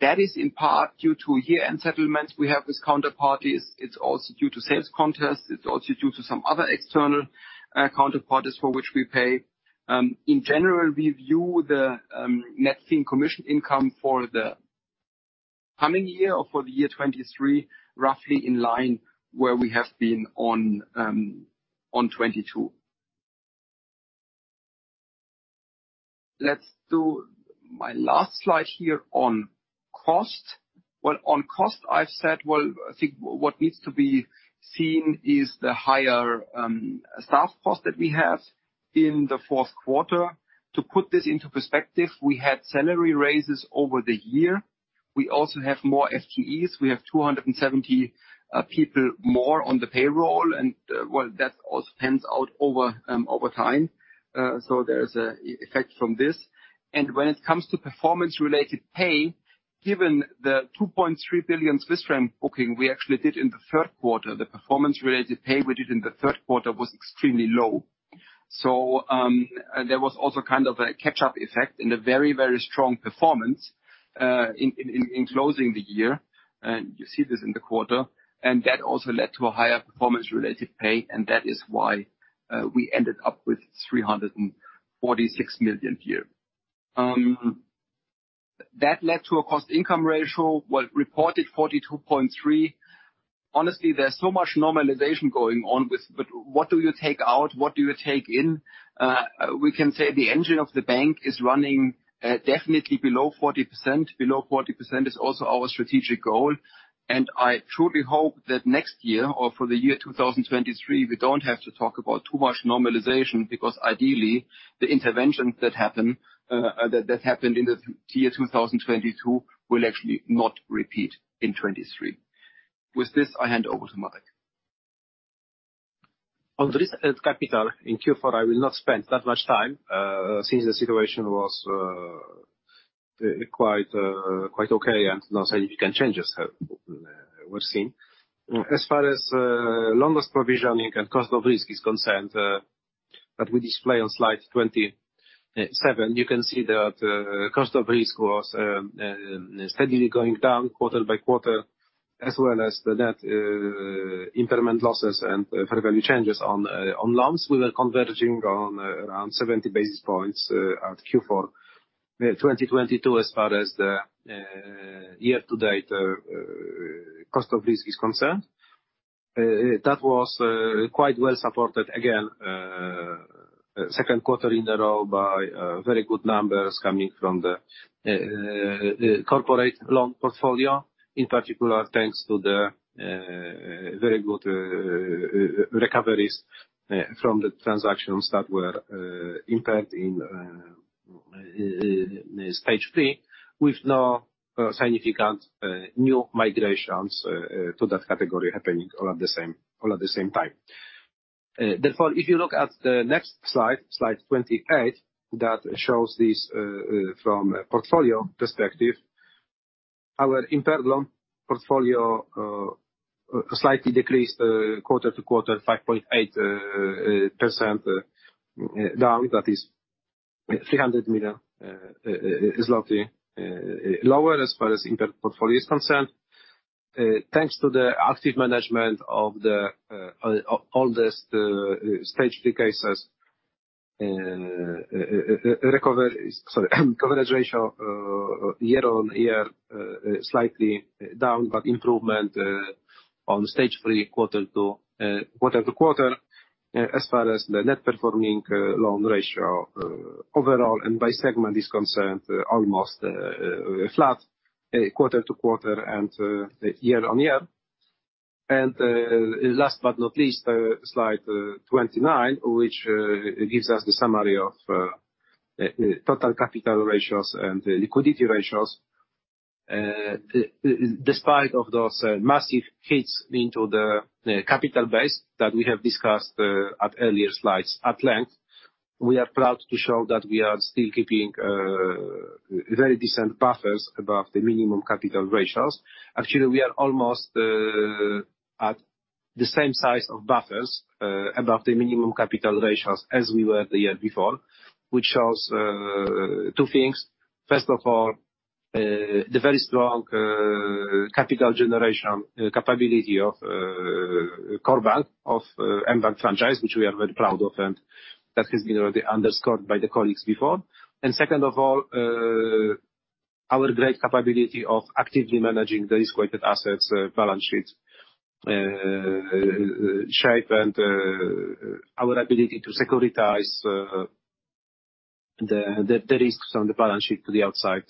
That is in part due to year-end settlements we have with counterparties. It's also due to sales contests. It's also due to some other external counterparties for which we pay. In general, we view the net fee and commission income for the coming year or for the year 2023, roughly in line where we have been on 2022. My last slide here on cost. Well, on cost, I've said, well, I think what needs to be seen is the higher staff cost that we have in the fourth quarter. To put this into perspective, we had salary raises over the year. We also have more FTEs. We have 270 people more on the payroll, and well, that also pans out over time. So there's a effect from this. And when it comes to performance-related pay, given the 2.3 billion Swiss franc booking we actually did in the third quarter, the performance-related pay we did in the third quarter was extremely low. And there was also kind of a catch-up effect in a very, very strong performance in closing the year. You see this in the quarter, and that also led to a higher performance-related pay, and that is why we ended up with 346 million here. That led to a cost-income ratio, well, reported 42.3%. Honestly, there's so much normalization going on. What do you take out? What do you take in? We can say the engine of the mBank is running definitely below 40%. Below 40% is also our strategic goal. And I truly hope that next year, or for the year 2023, we don't have to talk about too much normalization, because ideally, the interventions that happened in the year 2022 will actually not repeat in 2023. With this, I hand over to Marek. On risk and capital in Q4, I will not spend that much time, since the situation was quite okay, and no significant changes have we've seen. As far as longest provisioning and cost of risk is concerned, that we display on slide 27, you can see that cost of risk was steadily going down quarter-by-quarter, as well as the net impairment losses and fair value changes on loans. We were converging on around 70 basis points at Q4 2022 as far as the year-to-date cost of risk is concerned. That was quite well supported again, second quarter in a row by very good numbers coming from the corporate loan portfolio, in particular, thanks to the very good recoveries from the transactions that were impaired in stage 3, with no significant new migrations to that category happening all at the same time. If you look at the next slide, slide 28, that shows this from a portfolio perspective. Our impaired loan portfolio slightly decreased quarter-to-quarter, 5.8% down. That is 300 million lower as far as impaired portfolio is concerned. Thanks to the active management of the oldest stage 3 cases, sorry coverage ratio, year-on-year, slightly down, but improvement on stage 3 quarter-to-quarter. As far as the non-performing loan ratio, overall and by segment is concerned, almost flat quarter-to-quarter and year-on-year. And last but not least, slide 29, which gives us the summary of total capital ratios and liquidity ratios. Despite of those massive hits into the capital base that we have discussed at earlier slides at length, we are proud to show that we are still keeping very decent buffers above the minimum capital ratios. Actually, we are almost at the same size of buffers above the minimum capital ratios as we were the year before, which shows two things. First of all, the very strong capital generation capability of core bank, of mBank franchise, which we are very proud of, and that has been already underscored by the colleagues before. Second of all, our great capability of actively managing the risk-weighted assets balance sheet shape, and our ability to securitize the risks on the balance sheet to the outside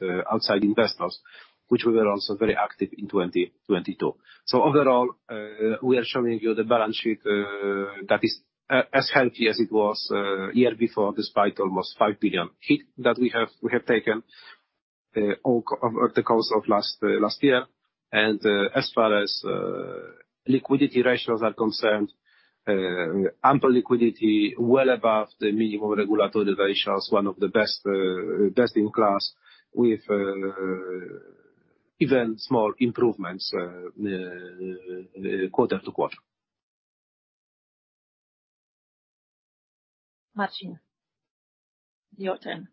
investors, which we were also very active in 2022. So overall, we are showing you the balance sheet that is as healthy as it was year before, despite almost 5 billion hit that we have taken over the course of last year. As far as liquidity ratios are concerned, ample liquidity well above the minimum regulatory ratios, one of the best in class with even small improvements quarter-to-quarter. Marcin, your turn.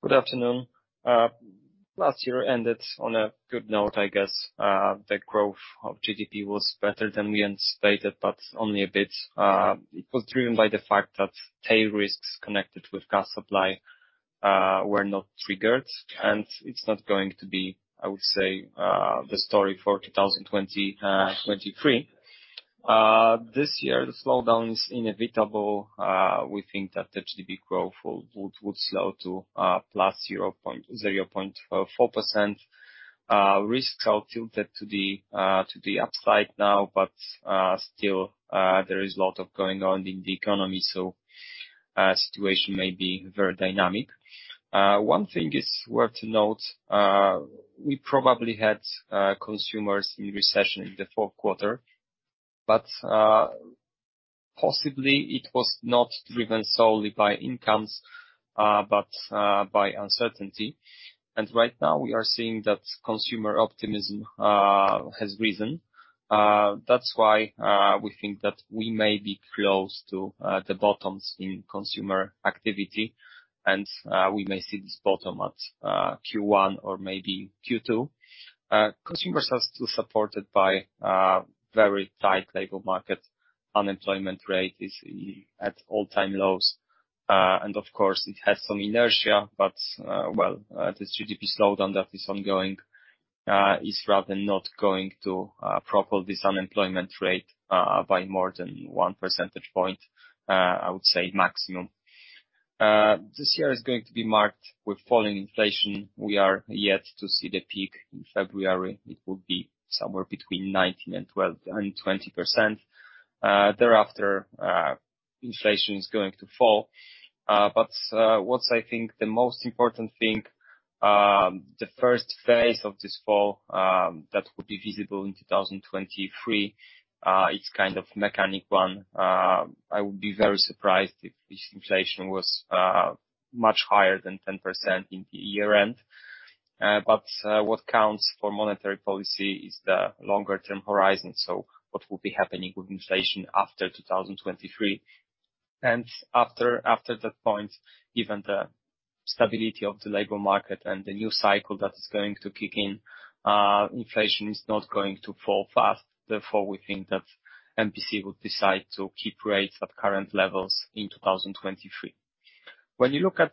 Good afternoon. Last year ended on a good note, I guess. The growth of GDP was better than we anticipated, but only a bit. It was driven by the fact that tail risks connected with gas supply were not triggered, and it's not going to be, I would say, the story for 2023. This year the slowdown is inevitable. We think that the GDP growth will, would slow to +0.4%. Risks are tilted to the upside now, but still, there is a lot of going on in the economy, so situation may be very dynamic. One thing is worth to note, we probably had consumers in recession in the fourth quarter, but possibly it was not driven solely by incomes, but by uncertainty. And right now we are seeing that consumer optimism has risen. That's why we think that we may be close to the bottoms in consumer activity and we may see this bottom at Q1 or maybe Q2. Consumers are still supported by very tight labor market. Unemployment rate is at all-time lows. Of course, it has some inertia, but well, the GDP slowdown that is ongoing is rather not going to propel this unemployment rate by more than 1 percentage point, I would say maximum. This year is going to be marked with falling inflation. We are yet to see the peak in February. It will be somewhere between 19% and 20%. Thereafter, inflation is going to fall. But what I think the most important thing, the first phase of this fall, that will be visible in 2023, is kind of mechanic one. I would be very surprised if this inflation was much higher than 10% in the year-end. What counts for monetary policy is the longer-term horizon. What will be happening with inflation after 2023. After that point, given the stability of the labor market and the new cycle that is going to kick in, inflation is not going to fall fast. Therefore, we think that MPC would decide to keep rates at current levels in 2023. When you look at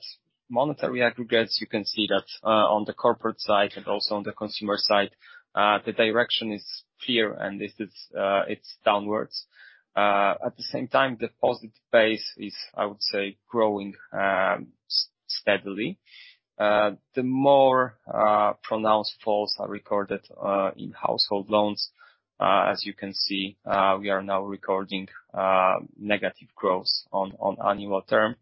monetary aggregates, you can see that, on the corporate side and also on the consumer side, the direction is clear and it is, it's downwards. At the same time, deposit base is, I would say, growing, steadily. The more, pronounced falls are recorded, in household loans. As you can see, we are now recording, negative growth on annual term.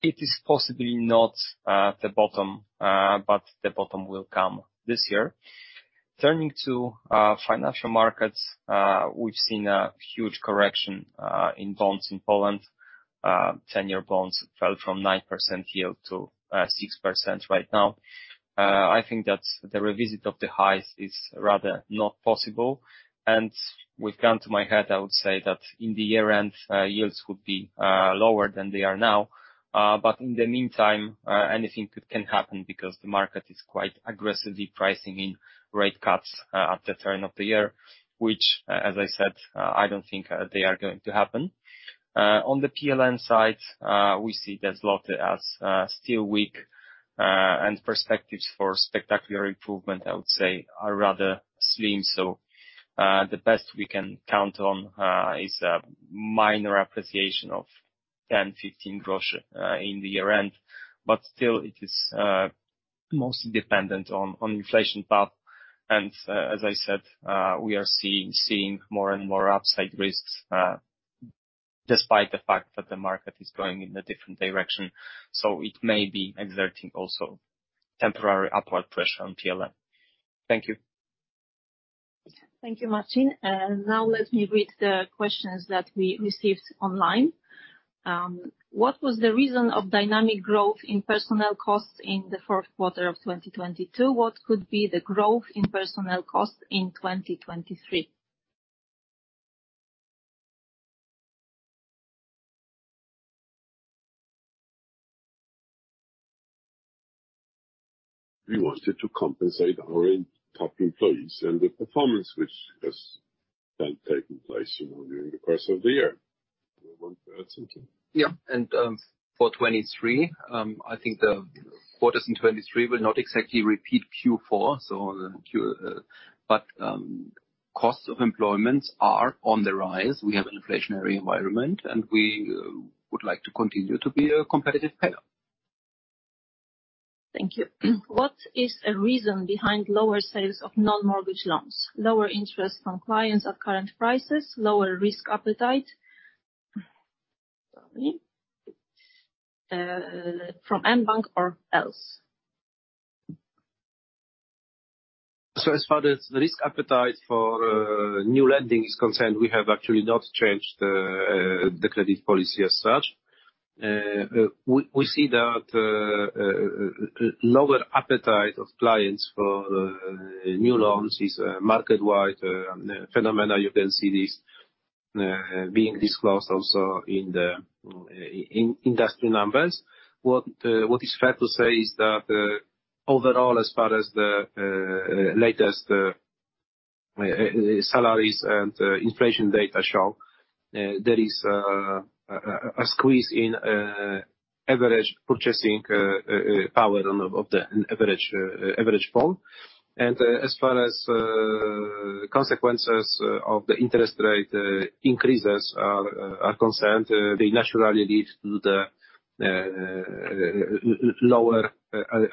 It is possibly not, the bottom, but the bottom will come this year. Turning to, financial markets. We've seen a huge correction, in bonds in Poland. 10-year bonds fell from 9% yield to, 6% right now. I think that the revisit of the highs is rather not possible. And with gun to my head, I would say that in the year-end, yields would be lower than they are now. But in the meantime, anything can happen because the market is quite aggressively pricing in rate cuts at the turn of the year, which, as I said, I don't think they are going to happen. On the PLN side, we see the złoty as still weak, and perspectives for spectacular improvement, I would say, are rather slim. The best we can count on is a minor appreciation of 0.10-0.15 in the year-end. But still, it is mostly dependent on inflation path. As I said, we are seeing more and more upside risks despite the fact that the market is going in a different direction. So it may be exerting also temporary upward pressure on PLN. Thank you. Thank you, Marcin. And now let me read the questions that we received online. What was the reason of dynamic growth in personnel costs in the fourth quarter of 2022? What could be the growth in personnel costs in 2023? We wanted to compensate our top employees and the performance which has been taking place, you know, during the course of the year. Do you want to add something? Yeah. For 2023, I think the quarters in 2023 will not exactly repeat Q4. So costs of employments are on the rise. We have an inflationary environment, and we would like to continue to be a competitive payer. Thank you. What is the reason behind lower sales of non-mortgage loans? Lower interest from clients at current prices, lower risk appetite from mBank or else? As far as the risk appetite for new lending is concerned, we have actually not changed the credit policy as such. We see that lower appetite of clients for new loans is a market-wide phenomena. You can see this being disclosed also in the industry numbers. What is fair to say is that overall, as far as the latest salaries and inflation data show... There is a squeeze in average purchasing power of the average phone. And as far as consequences of the interest rate increases are concerned, they naturally lead to the lower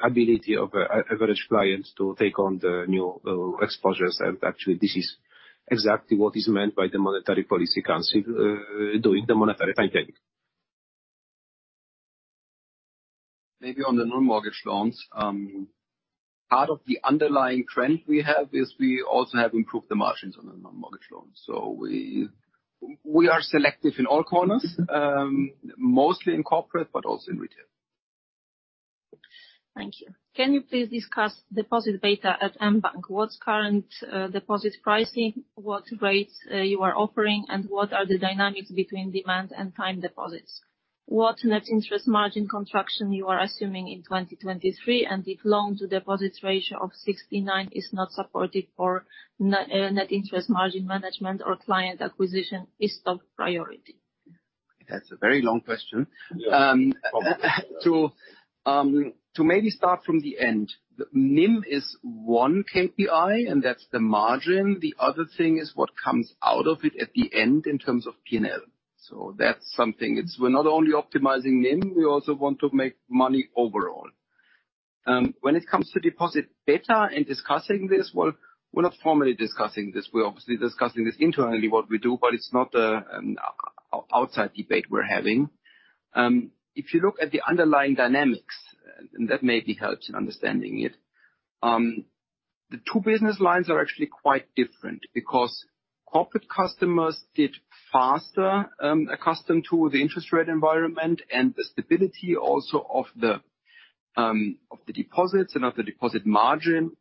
ability of average client to take on the new exposures. Actually, this is exactly what is meant by the Monetary Policy Council doing the monetary tightening. Maybe on the non-mortgage loans. Part of the underlying trend we have is we also have improved the margins on the non-mortgage loans. So we are selective in all corners, mostly in corporate, but also in retail. Thank you. Can you please discuss deposit beta at mBank? What's current deposit pricing? What rates you are offering? And what are the dynamics between demand and time deposits? What net interest margin construction you are assuming in 2023 and if loan-to-deposit ratio of 69% is not supported for net interest margin management or client acquisition is top priority? That's a very long question. Yeah. So to maybe start from the end. NIM is one KPI, and that's the margin. The other thing is what comes out of it at the end in terms of P&L. So that's something. It's we're not only optimizing NIM, we also want to make money overall. When it comes to deposit beta and discussing this, well, we're not formally discussing this. We're obviously discussing this internally, what we do, but it's not an outside debate we're having. If you look at the underlying dynamics, and that maybe helps in understanding it, the two business lines are actually quite different because corporate customers get faster accustomed to the interest rate environment and the stability also of the deposits and of the deposit margin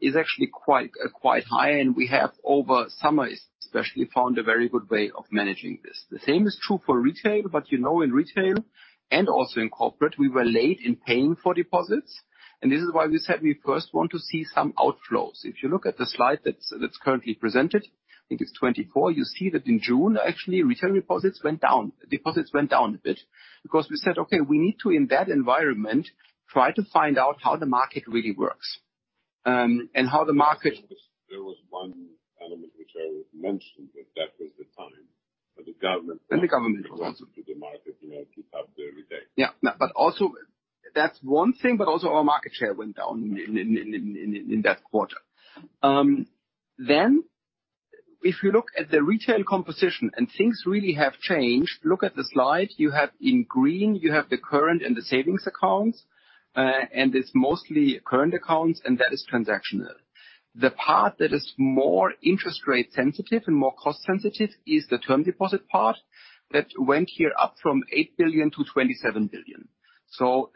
is actually quite high. And we have over summer especially found a very good way of managing this. The same is true for retail, but you know, in retail and also in corporate, we were late in paying for deposits. And this is why we said we first want to see some outflows. If you look at the slide that's currently presented, I think it's 24, you see that in June, actually, retail deposits went down. Deposits went down a bit because we said, "Okay, we need to, in that environment, try to find out how the market really works, and how the market. There was one element which I mentioned. That was the time when the government- When the government. Went to the market, you know, to top the rate. Yeah. That's one thing, but also our market share went down in that quarter. If you look at the retail composition and things really have changed, look at the slide. You have in green, you have the current and the savings accounts, and it's mostly current accounts, and that is transactional. The part that is more interest rate sensitive and more cost sensitive is the term deposit part that went here up from 8 billion to 27 billion.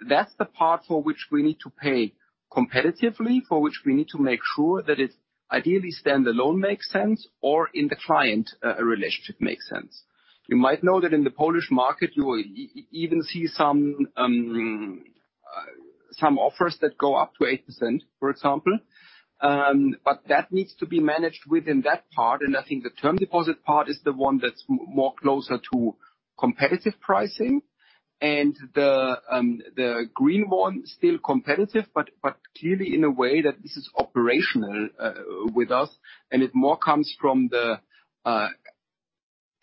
That's the part for which we need to pay competitively, for which we need to make sure that it ideally stand alone makes sense or in the client relationship makes sense. You might know that in the Polish market you will even see some offers that go up to 8%, for example. That needs to be managed within that part. I think the term deposit part is the one that's more closer to competitive pricing. The green one, still competitive, but clearly in a way that this is operational with us, and it more comes from the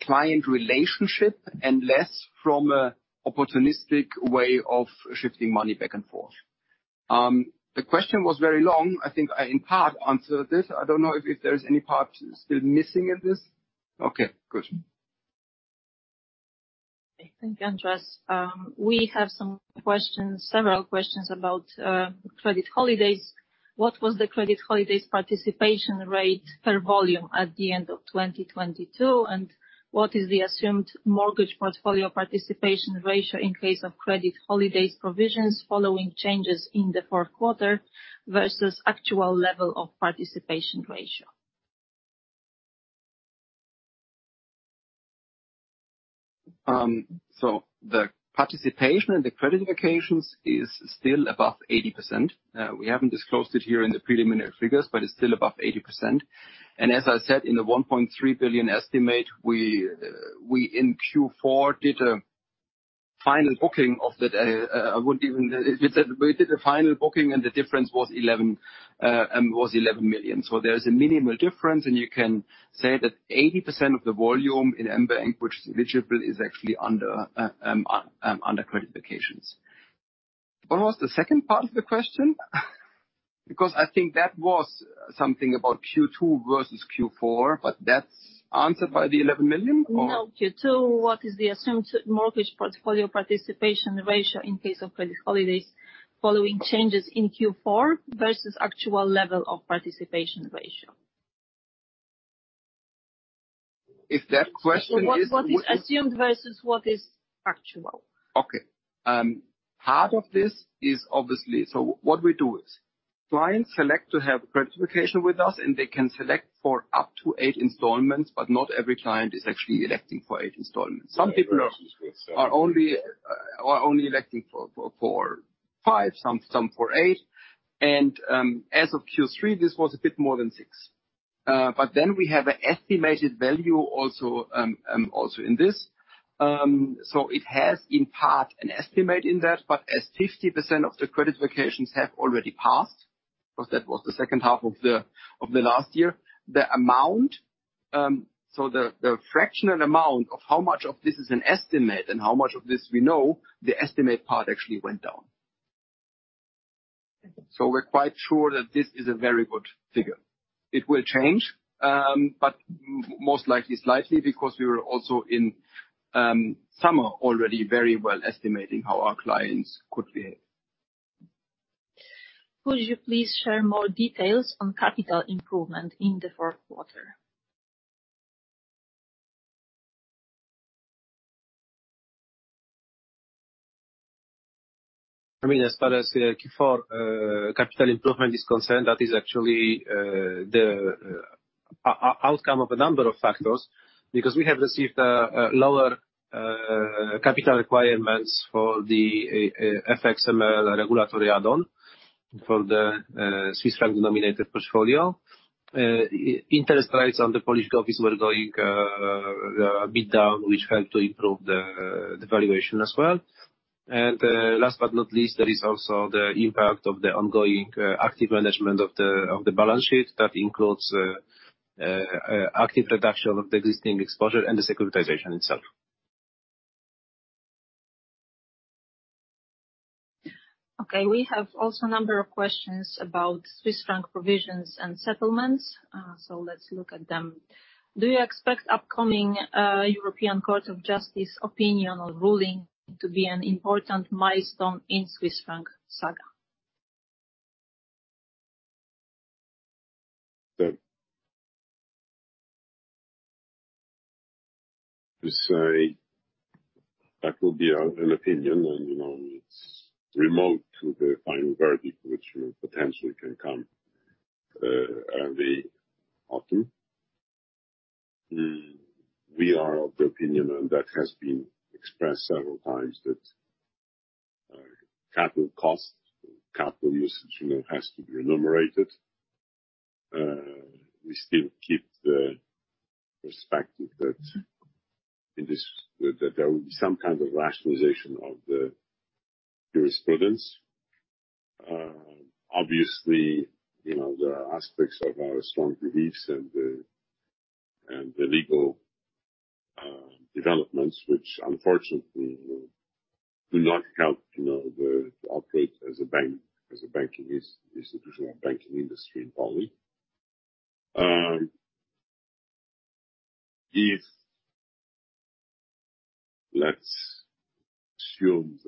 client relationship and less from a opportunistic way of shifting money back and forth. The question was very long. I think I, in part, answered this. I don't know if there's any part still missing in this. Okay, good. Thank you, Andreas. We have some questions, several questions about credit holidays. What was the credit holidays participation rate per volume at the end of 2022? What is the assumed mortgage portfolio participation ratio in case of credit holidays provisions following changes in the fourth quarter versus actual level of participation ratio? The participation and the credit holidays is still above 80%. We haven't disclosed it here in the preliminary figures, but it's still above 80%. As I said, in the 1.3 billion estimate, we in Q4 did a final booking of that. We said we did a final booking, and the difference was 11 million. So there's a minimal difference, and you can say that 80% of the volume in mBank which is eligible is actually under credit holidays. What was the second part of the question? Because I think that was something about Q2 versus Q4, but that's answered by the 11 million, or? No. Q2, what is the assumed mortgage portfolio participation ratio in case of credit holidays following changes in Q4 versus actual level of participation ratio? If that question is? What is assumed versus what is actual? Okay. Part of this is obviously... So what we do is clients select to have credit vacation with us, and they can select for up to eight installments, but not every client is actually electing for eight installments. Some people are only electing for four, five, some for eight. As of Q3, this was a bit more than six. We have an estimated value also in this. So it has in part an estimate in that, as 50% of the credit vacations have already passed, because that was the second half of the last year, the amount, the fractional amount of how much of this is an estimate and how much of this we know, the estimate part actually went down. We're quite sure that this is a very good figure. It will change, but most likely slightly because we were also in summer already very well estimating how our clients could behave. Could you please share more details on capital improvement in the fourth quarter? I mean, as far as Q4 capital improvement is concerned, that is actually the outcome of a number of factors because we have received lower capital requirements for the FX/AML regulatory add-on for the Swiss franc-denominated portfolio. Interest rates on the Polish govies were going a bit down, which helped to improve the valuation as well. And last but not least, there is also the impact of the ongoing active management of the balance sheet that includes active reduction of the existing exposure and the securitization itself. Okay. We have also a number of questions about Swiss franc provisions and settlements. So let's look at them. Do you expect upcoming European Court of Justice opinion or ruling to be an important milestone in Swiss franc saga? To say that will be an opinion, you know, it's remote to the final verdict, which, you know, potentially can come early autumn. We are of the opinion, and that has been expressed several times, that capital costs or capital usage, you know, has to be remunerated. We still keep the perspective that there will be some kind of rationalization of the jurisprudence. Obviously, you know, the aspects of our strong beliefs and the legal developments, which unfortunately do not help, you know, to operate as a bank, as a banking institution or banking industry in Poland. Let's assume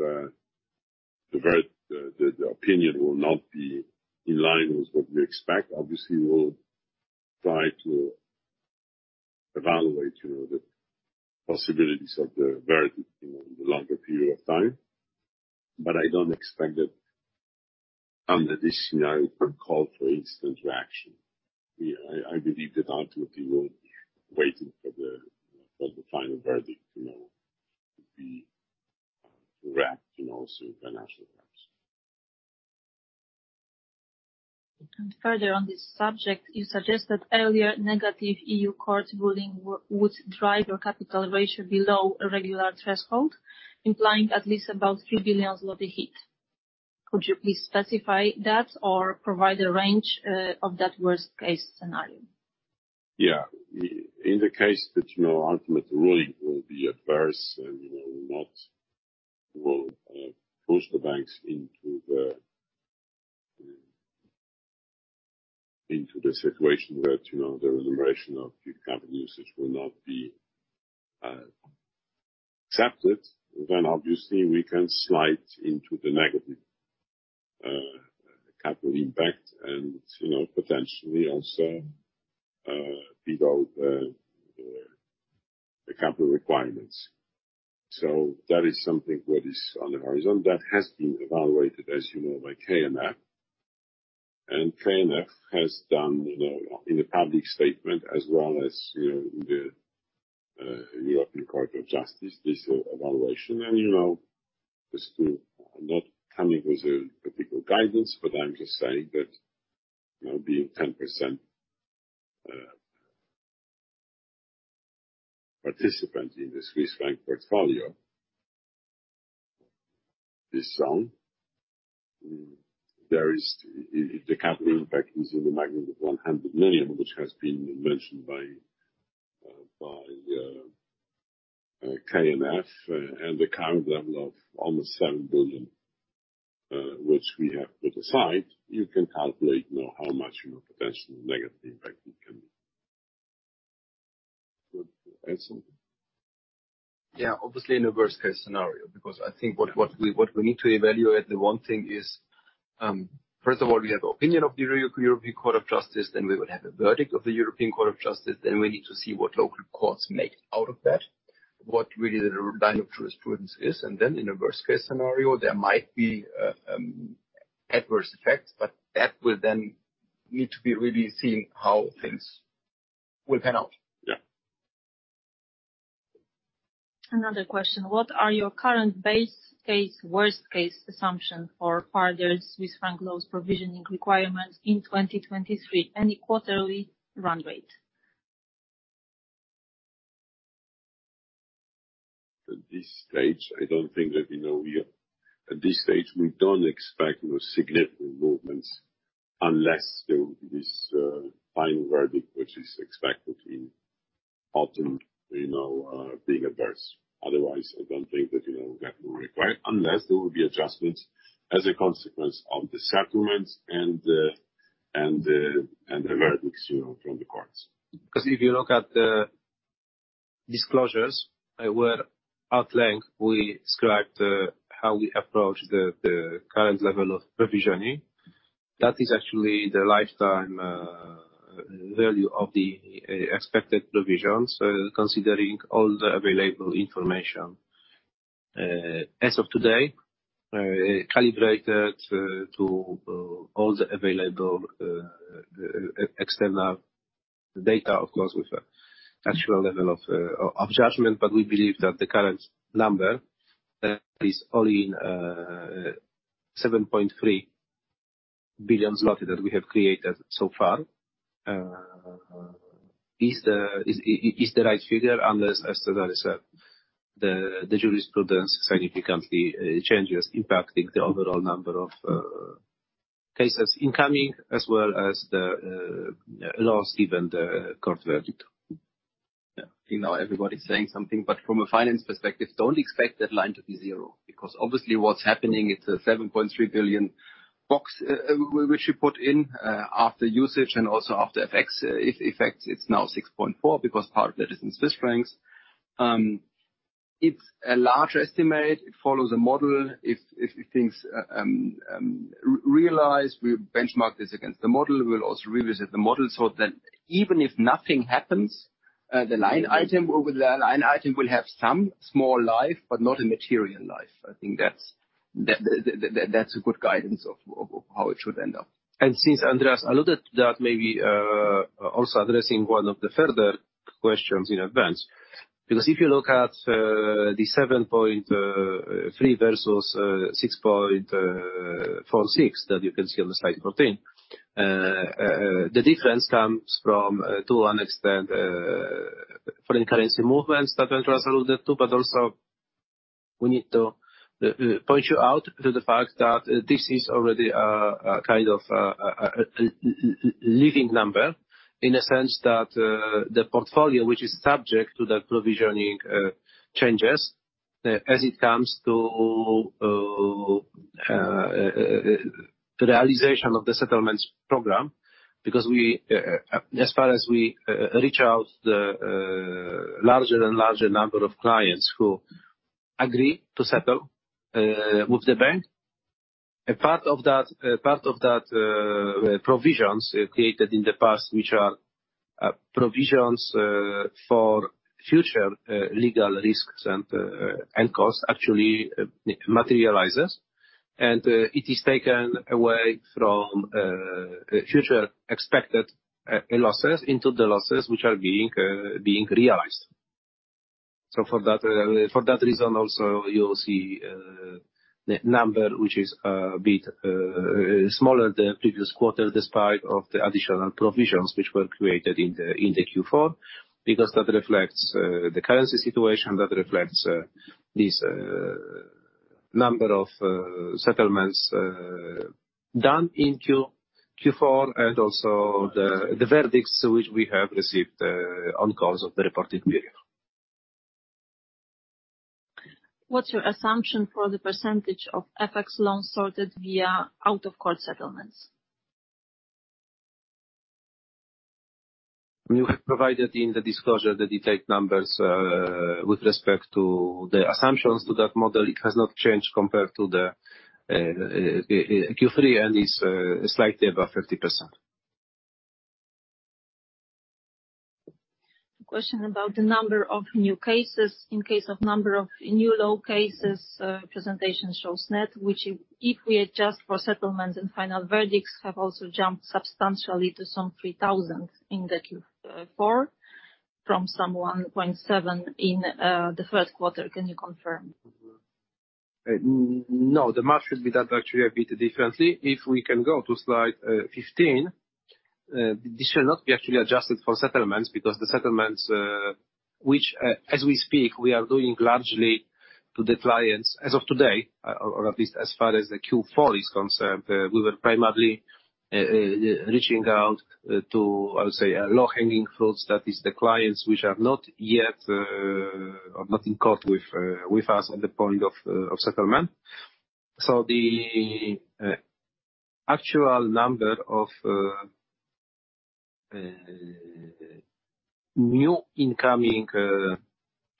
that the opinion will not be in line with what we expect. Obviously, we'll try to evaluate, you know, the possibilities of the verdict, you know, in the longer period of time. I don't expect that an additional call for instant reaction. I believe that ultimately we'll be waiting for the, for the final verdict, you know, to be to react, you know, through financial apps. Further on this subject, you suggested earlier negative EU court ruling would drive your capital ratio below a regular threshold, implying at least about 3 billion zloty will be hit. Could you please specify that or provide a range of that worst-case scenario? Yeah. In the case that, you know, ultimate ruling will be adverse and, you know, will not push the banks into the situation where, you know, the remuneration of capital usage will not be accepted. And obviously we can slide into the negative capital impact and, you know, potentially also below the capital requirements. That is something that is on the horizon. That has been evaluated, as you know, by KNF. And KNF has done, you know, in a public statement as well as, you know, in the European Court of Justice, this evaluation. You know, it's still not coming with a particular guidance, but I'm just saying that, you know, being 10% participant in the Swiss franc portfolio is some. The capital impact is in the magnitude 100 million, which has been mentioned by KNF, and the current level of almost 7 billion, which we have put aside. You can calculate, you know, how much, you know, potential negative impact it can be. Good? Marcin? Yeah. Obviously in a worst-case scenario, because I think what we need to evaluate, the one thing is, first of all, we have opinion of the European Court of Justice, then we will have a verdict of the European Court of Justice, then we need to see what local courts make out of that, what really the line of jurisprudence is. And then in a worst-case scenario, there might be adverse effects, that will then need to be really seeing how things develop. With penalty. Yeah. Another question. What are your current base case, worst case assumption for further Swiss franc laws provisioning requirements in 2023? Any quarterly run rate? At this stage, I don't think that we know yet. At this stage, we don't expect no significant movements unless there will be this final verdict, which is expected to be autumn, you know, being adverse. Otherwise, I don't think that, you know, we have no requirement, unless there will be adjustments as a consequence of the settlements and the verdicts, you know, from the courts. Because if you look at the disclosures, where at length we described how we approach the current level of provisioning, that is actually the lifetime value of the expected provisions, considering all the available information. As of today, calibrated to all the available external data, of course, with actual level of judgment. We believe that the current number is only 7.3 billion zloty that we have created so far, is the right figure, unless as there is the jurisprudence significantly changes impacting the overall number of cases incoming as well as the loss given the court verdict. You know, everybody is saying something, but from a finance perspective, don't expect that line to be zero. Obviously what's happening, it's a 7.3 billion box which we put in after usage and also after FX effects, it's now 6.4 billion because part of that is in Swiss francs. It's a large estimate. It follows a model. If things realize, we benchmark this against the model, we'll also revisit the model so that even if nothing happens, the line item will have some small life, but not a material life. I think that's a good guidance of how it should end up. And since Andreas alluded to that, maybe also addressing one of the further questions in advance. If you look at the 7.3 billion versus 6.46 billion that you can see on slide 14, the difference comes from to an extent foreign currency movements that Andreas alluded to, but also we need to point you out to the fact that this is already a kind of living number in a sense that the portfolio which is subject to the provisioning changes as it comes to realization of the settlements program. We, as far as we reach out the larger and larger number of clients who agree to settle with the bank, a part of that part of that provisions created in the past, which are provisions for future legal risks and costs actually materializes. It is taken away from future expected losses into the losses which are being realized. For that, for that reason also, you'll see the number which is a bit smaller the previous quarter, despite of the additional provisions which were created in the Q4, because that reflects the currency situation, that reflects this number of settlements done in Q4 and also the verdicts which we have received on course of the reporting period. What's your assumption for the percentage of FX loans sorted via out-of-court settlements? We have provided in the disclosure the detailed numbers with respect to the assumptions to that model. It has not changed compared to the Q3 and is slightly above 50%. A question about the number of new cases. In case of number of new law cases, presentation shows net, which if we adjust for settlements and final verdicts, have also jumped substantially to some 3,000 in Q4 from some 1.7 in the first quarter. Can you confirm? No, the math should be done actually a bit differently. If we can go to slide 15, this shall not be actually adjusted for settlements because the settlements, which, as we speak, we are doing largely to the clients as of today, or at least as far as the Q4 is concerned, we were primarily reaching out to, I'll say, low-hanging fruits. That is the clients which are not yet, or not in court with us at the point of settlement. So the actual number of new incoming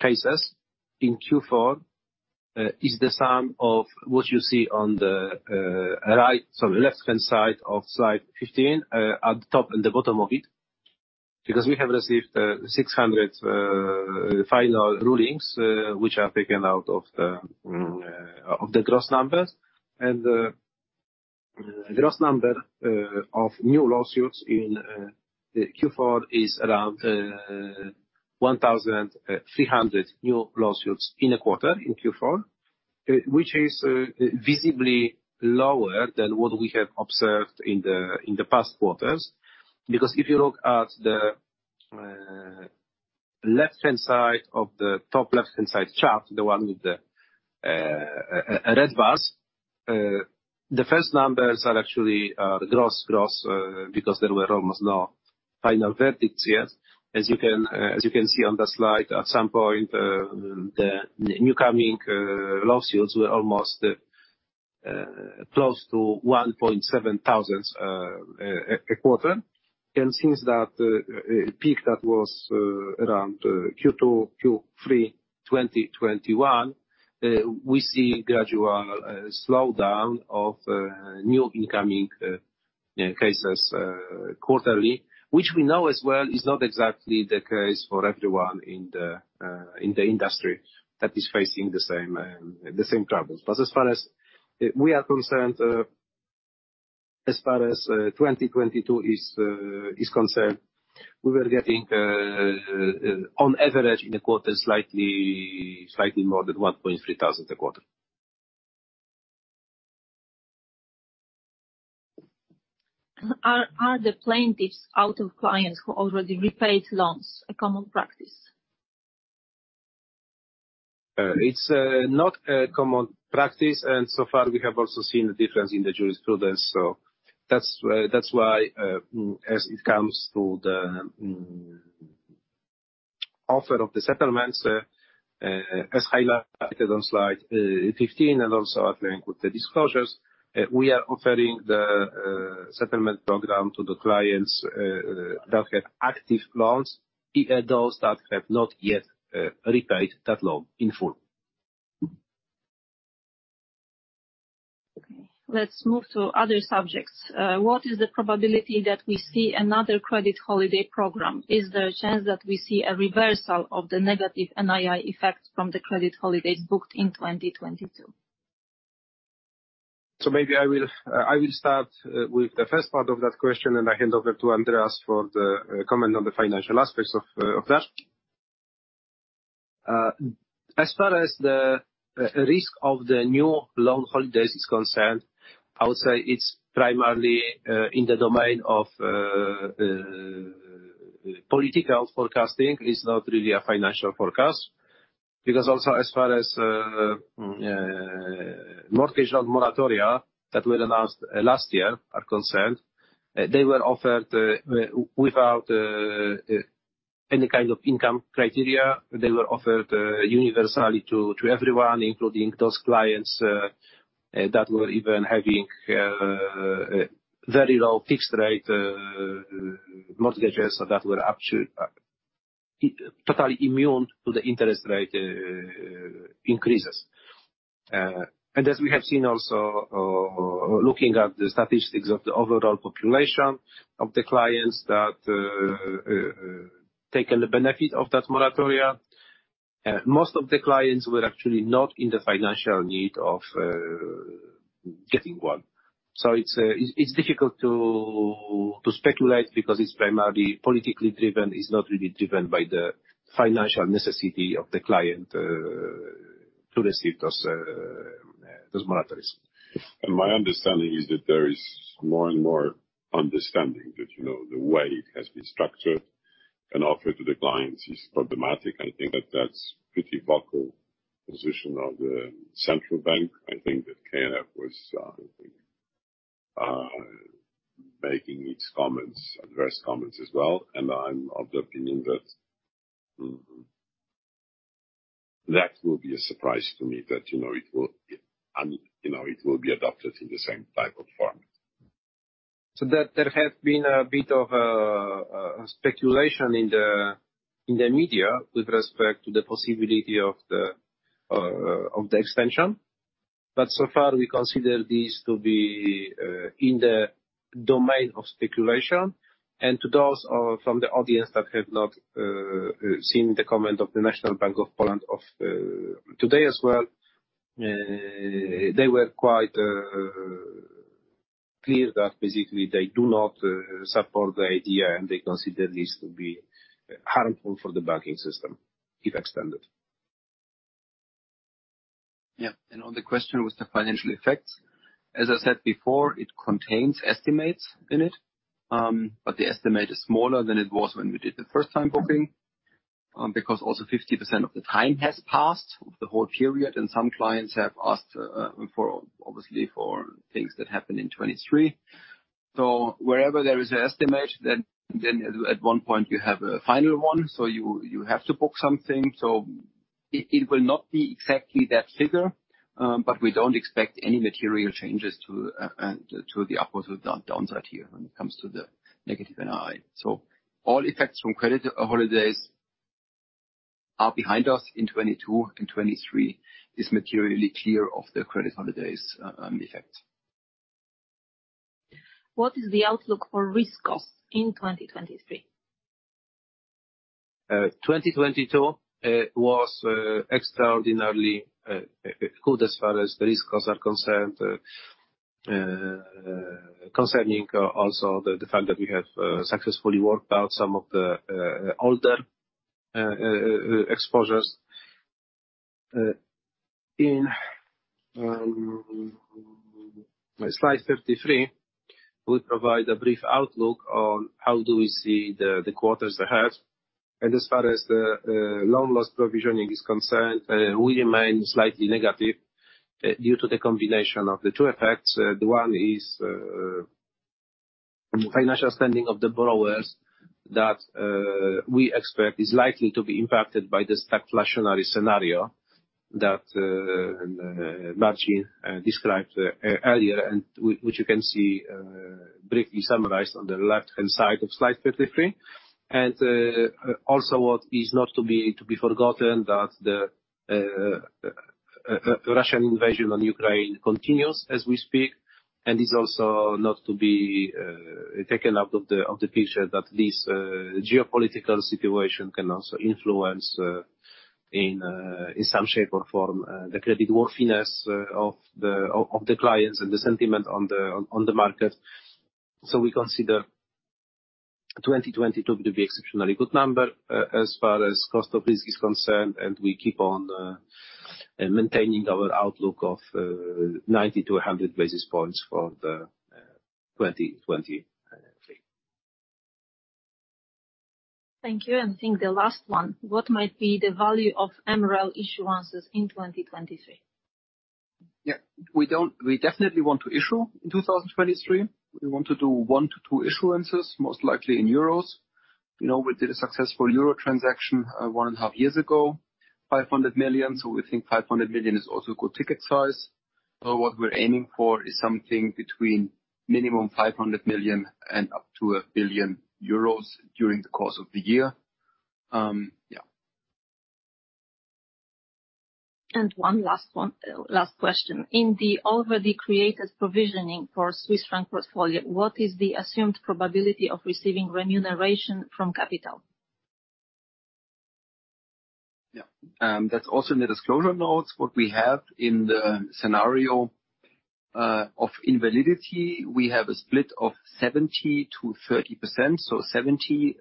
cases in Q4 is the sum of what you see on the right, sorry, left-hand side of slide 15, at the top and the bottom of it. We have received 600 final rulings, which are taken out of the gross numbers. And the gross number of new lawsuits in Q4 is around 1,300 new lawsuits in a quarter in Q4, which is visibly lower than what we have observed in the past quarters. If you look at the left-hand side of the top left-hand side chart, the one with the red bars, the first numbers are actually gross, because there were almost no final verdicts yet. As you can see on the slide, at some point, the new coming lawsuits were almost close to 1,700 a quarter. Since that peak that was around Q2, Q3 2021, that we see gradual slowdown of new incoming cases quarterly, which we know as well is not exactly the case for everyone in the industry that is facing the same troubles. As far as we are concerned, as far as 2022 is concerned, we were getting on average in a quarter slightly more than 1,300 a quarter. Are the plaintiffs out of clients who already repaid loans a common practice? It's not a common practice, and so far we have also seen a difference in the jurisprudence. So that's why, as it comes to the offer of the settlements, as highlighted on slide 15 and also outlined with the disclosures, we are offering the settlement program to the clients that have active loans, those that have not yet repaid that loan in full. Okay. Let's move to other subjects. What is the probability that we see another credit holiday program? Is there a chance that we see a reversal of the negative NII effects from the credit holidays booked in 2022? Maybe I will, I will start with the first part of that question and I hand over to Andreas for the comment on the financial aspects of that. As far as the risk of the new loan holidays is concerned, I would say it's primarily in the domain of political forecasting. It's not really a financial forecast. Also as far as mortgage loan moratoria that were announced last year are concerned, they were offered without any kind of income criteria. They were offered universally to everyone, including those clients that were even having very low fixed rate mortgages that were actually totally immune to the interest rate increases. As we have seen also, looking at the statistics of the overall population of the clients that taken the benefit of that moratoria, most of the clients were actually not in the financial need of getting one. It's difficult to speculate because it's primarily politically driven. It's not really driven by the financial necessity of the client to receive those moratories. My understanding is that there is more and more understanding that, you know, the way it has been structured and offered to the clients is problematic. I think that that's pretty vocal position of the central bank. I think that KNF was making its comments, adverse comments as well and I'm of the opinion that that will be a surprise to me that, you know, it will, you know, it will be adopted in the same type of format. There has been a bit of speculation in the media with respect to the possibility of the extension. So far, we consider this to be in the domain of speculation. To those from the audience that have not seen the comment of the National Bank of Poland of today as well, they were quite clear that basically they do not support the idea and they consider this to be harmful for the banking system if extended. On the question with the financial effects, as I said before, it contains estimates in it. But the estimate is smaller than it was when we did the first-time booking, because also 50% of the time has passed of the whole period, and some clients have asked for obviously for things that happened in 2023. Wherever there is an estimate, then at one point you have a final one, so you have to book something. It will not be exactly that figure, but we don't expect any material changes to and to the upwards or downside here when it comes to the negative NII. So all effects from credit holidays are behind us in 2022, and 2023 is materially clear of the credit holidays effect. What is the outlook for risk costs in 2023? 2022 was extraordinarily good as far as the risk costs are concerned. Concerning also the fact that we have successfully worked out some of the older exposures. In slide 53, we provide a brief outlook on how do we see the quarters ahead. As far as the loan loss provisioning is concerned, we remain slightly negative due to the combination of the two effects. The one is financial standing of the borrowers that we expect is likely to be impacted by the stagflationary scenario that Marcin described earlier, which you can see briefly summarized on the left-hand side of slide 53. And also what is not to be forgotten, that the Russian invasion on Ukraine continues as we speak, and is also not to be taken out of the picture that this geopolitical situation can also influence in some shape or form the creditworthiness of the clients and the sentiment on the market. So we consider 2020 to be exceptionally good number as far as cost of risk is concerned, and we keep on maintaining our outlook of 90-100 basis points for 2023. Thank you. I think the last one. What might be the value of MREL issuances in 2023? Yeah. We definitely want to issue in 2023. We want to do one to two issuances, most likely in euros. You know, we did a successful euro transaction, 1.5 years ago, 500 million. We think 500 million is also a good ticket size. What we're aiming for is something between minimum 500 million and up to 1 billion euros during the course of the year. Yeah. One last one, last question. In the already created provisioning for Swiss franc portfolio, what is the assumed probability of receiving remuneration from capital? That's also in the disclosure notes. What we have in the scenario of invalidity, we have a split of 70% to 30%. So 70%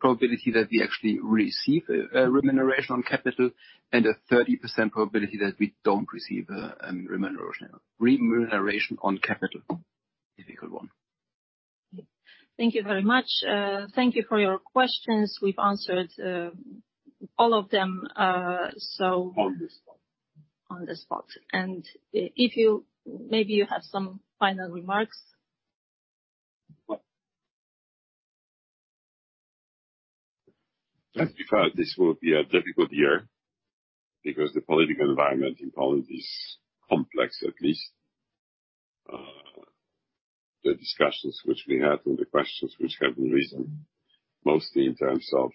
probability that we actually receive remuneration on capital, and a 30% probability that we don't receive remuneration on capital. Difficult one. Thank you very much. Thank you for your questions. We've answered all of them. On the spot. On the spot. And maybe you have some final remarks. We felt, this will be a difficult year because the political environment in Poland is complex, at least. The discussions which we had and the questions which have been raised, mostly in terms of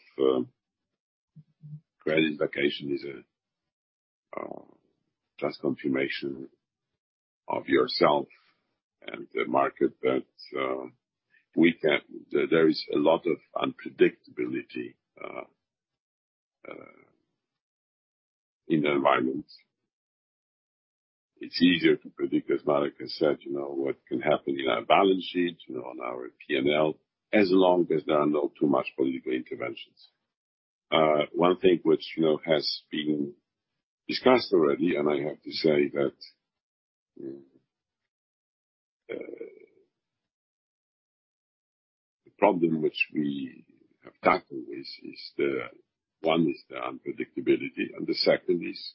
credit vacations is just confirmation of yourself and the market that we can. There is a lot of unpredictability in the environment. It's easier to predict, as Marek has said, you know, what can happen in our balance sheet, you know, on our P&L, as long as there are not too much political interventions. One thing which, you know, has been discussed already, and I have to say that the problem which we have tackled is one, is the unpredictability, and the second is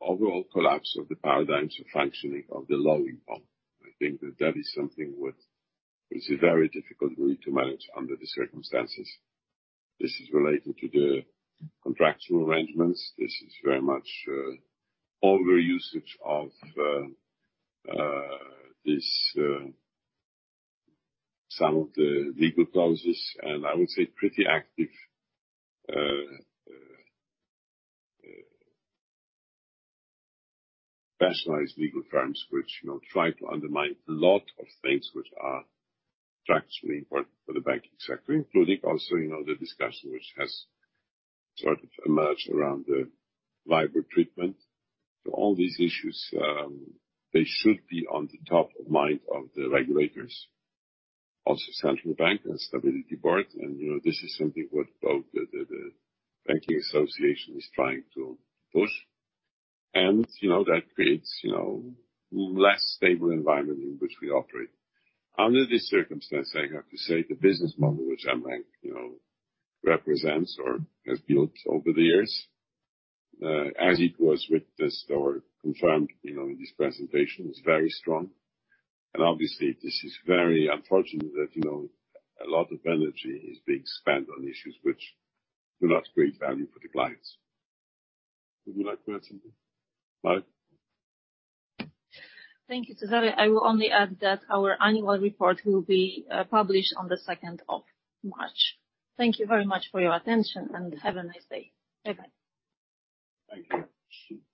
overall collapse of the paradigms of functioning of the law in Poland. I think that that is something what is a very difficult way to manage under the circumstances. This is related to the contractual arrangements. This is very much over usage of this some of the legal clauses, and I would say pretty active specialized legal firms, which, you know, try to undermine a lot of things which are structurally important for the banking sector, including also, you know, the discussion which has started to emerge around the LIBOR treatment. All these issues, they should be on the top of mind of the regulators, also central bank and Stability Board. And you know, this is something what both the banking association is trying to push. You know, that creates, you know, less stable environment in which we operate. Under this circumstance, I have to say the business model which mBank, you know, represents or has built over the years, as it was witnessed or confirmed, you know, in this presentation, is very strong. Obviously, this is very unfortunate that, you know, a lot of energy is being spent on issues which do not create value for the clients. Would you like to add something? Thank you, Cezary. I will only add that our annual report will be published on the second of March. Thank you very much for your attention, and have a nice day. Bye-bye. Thank you.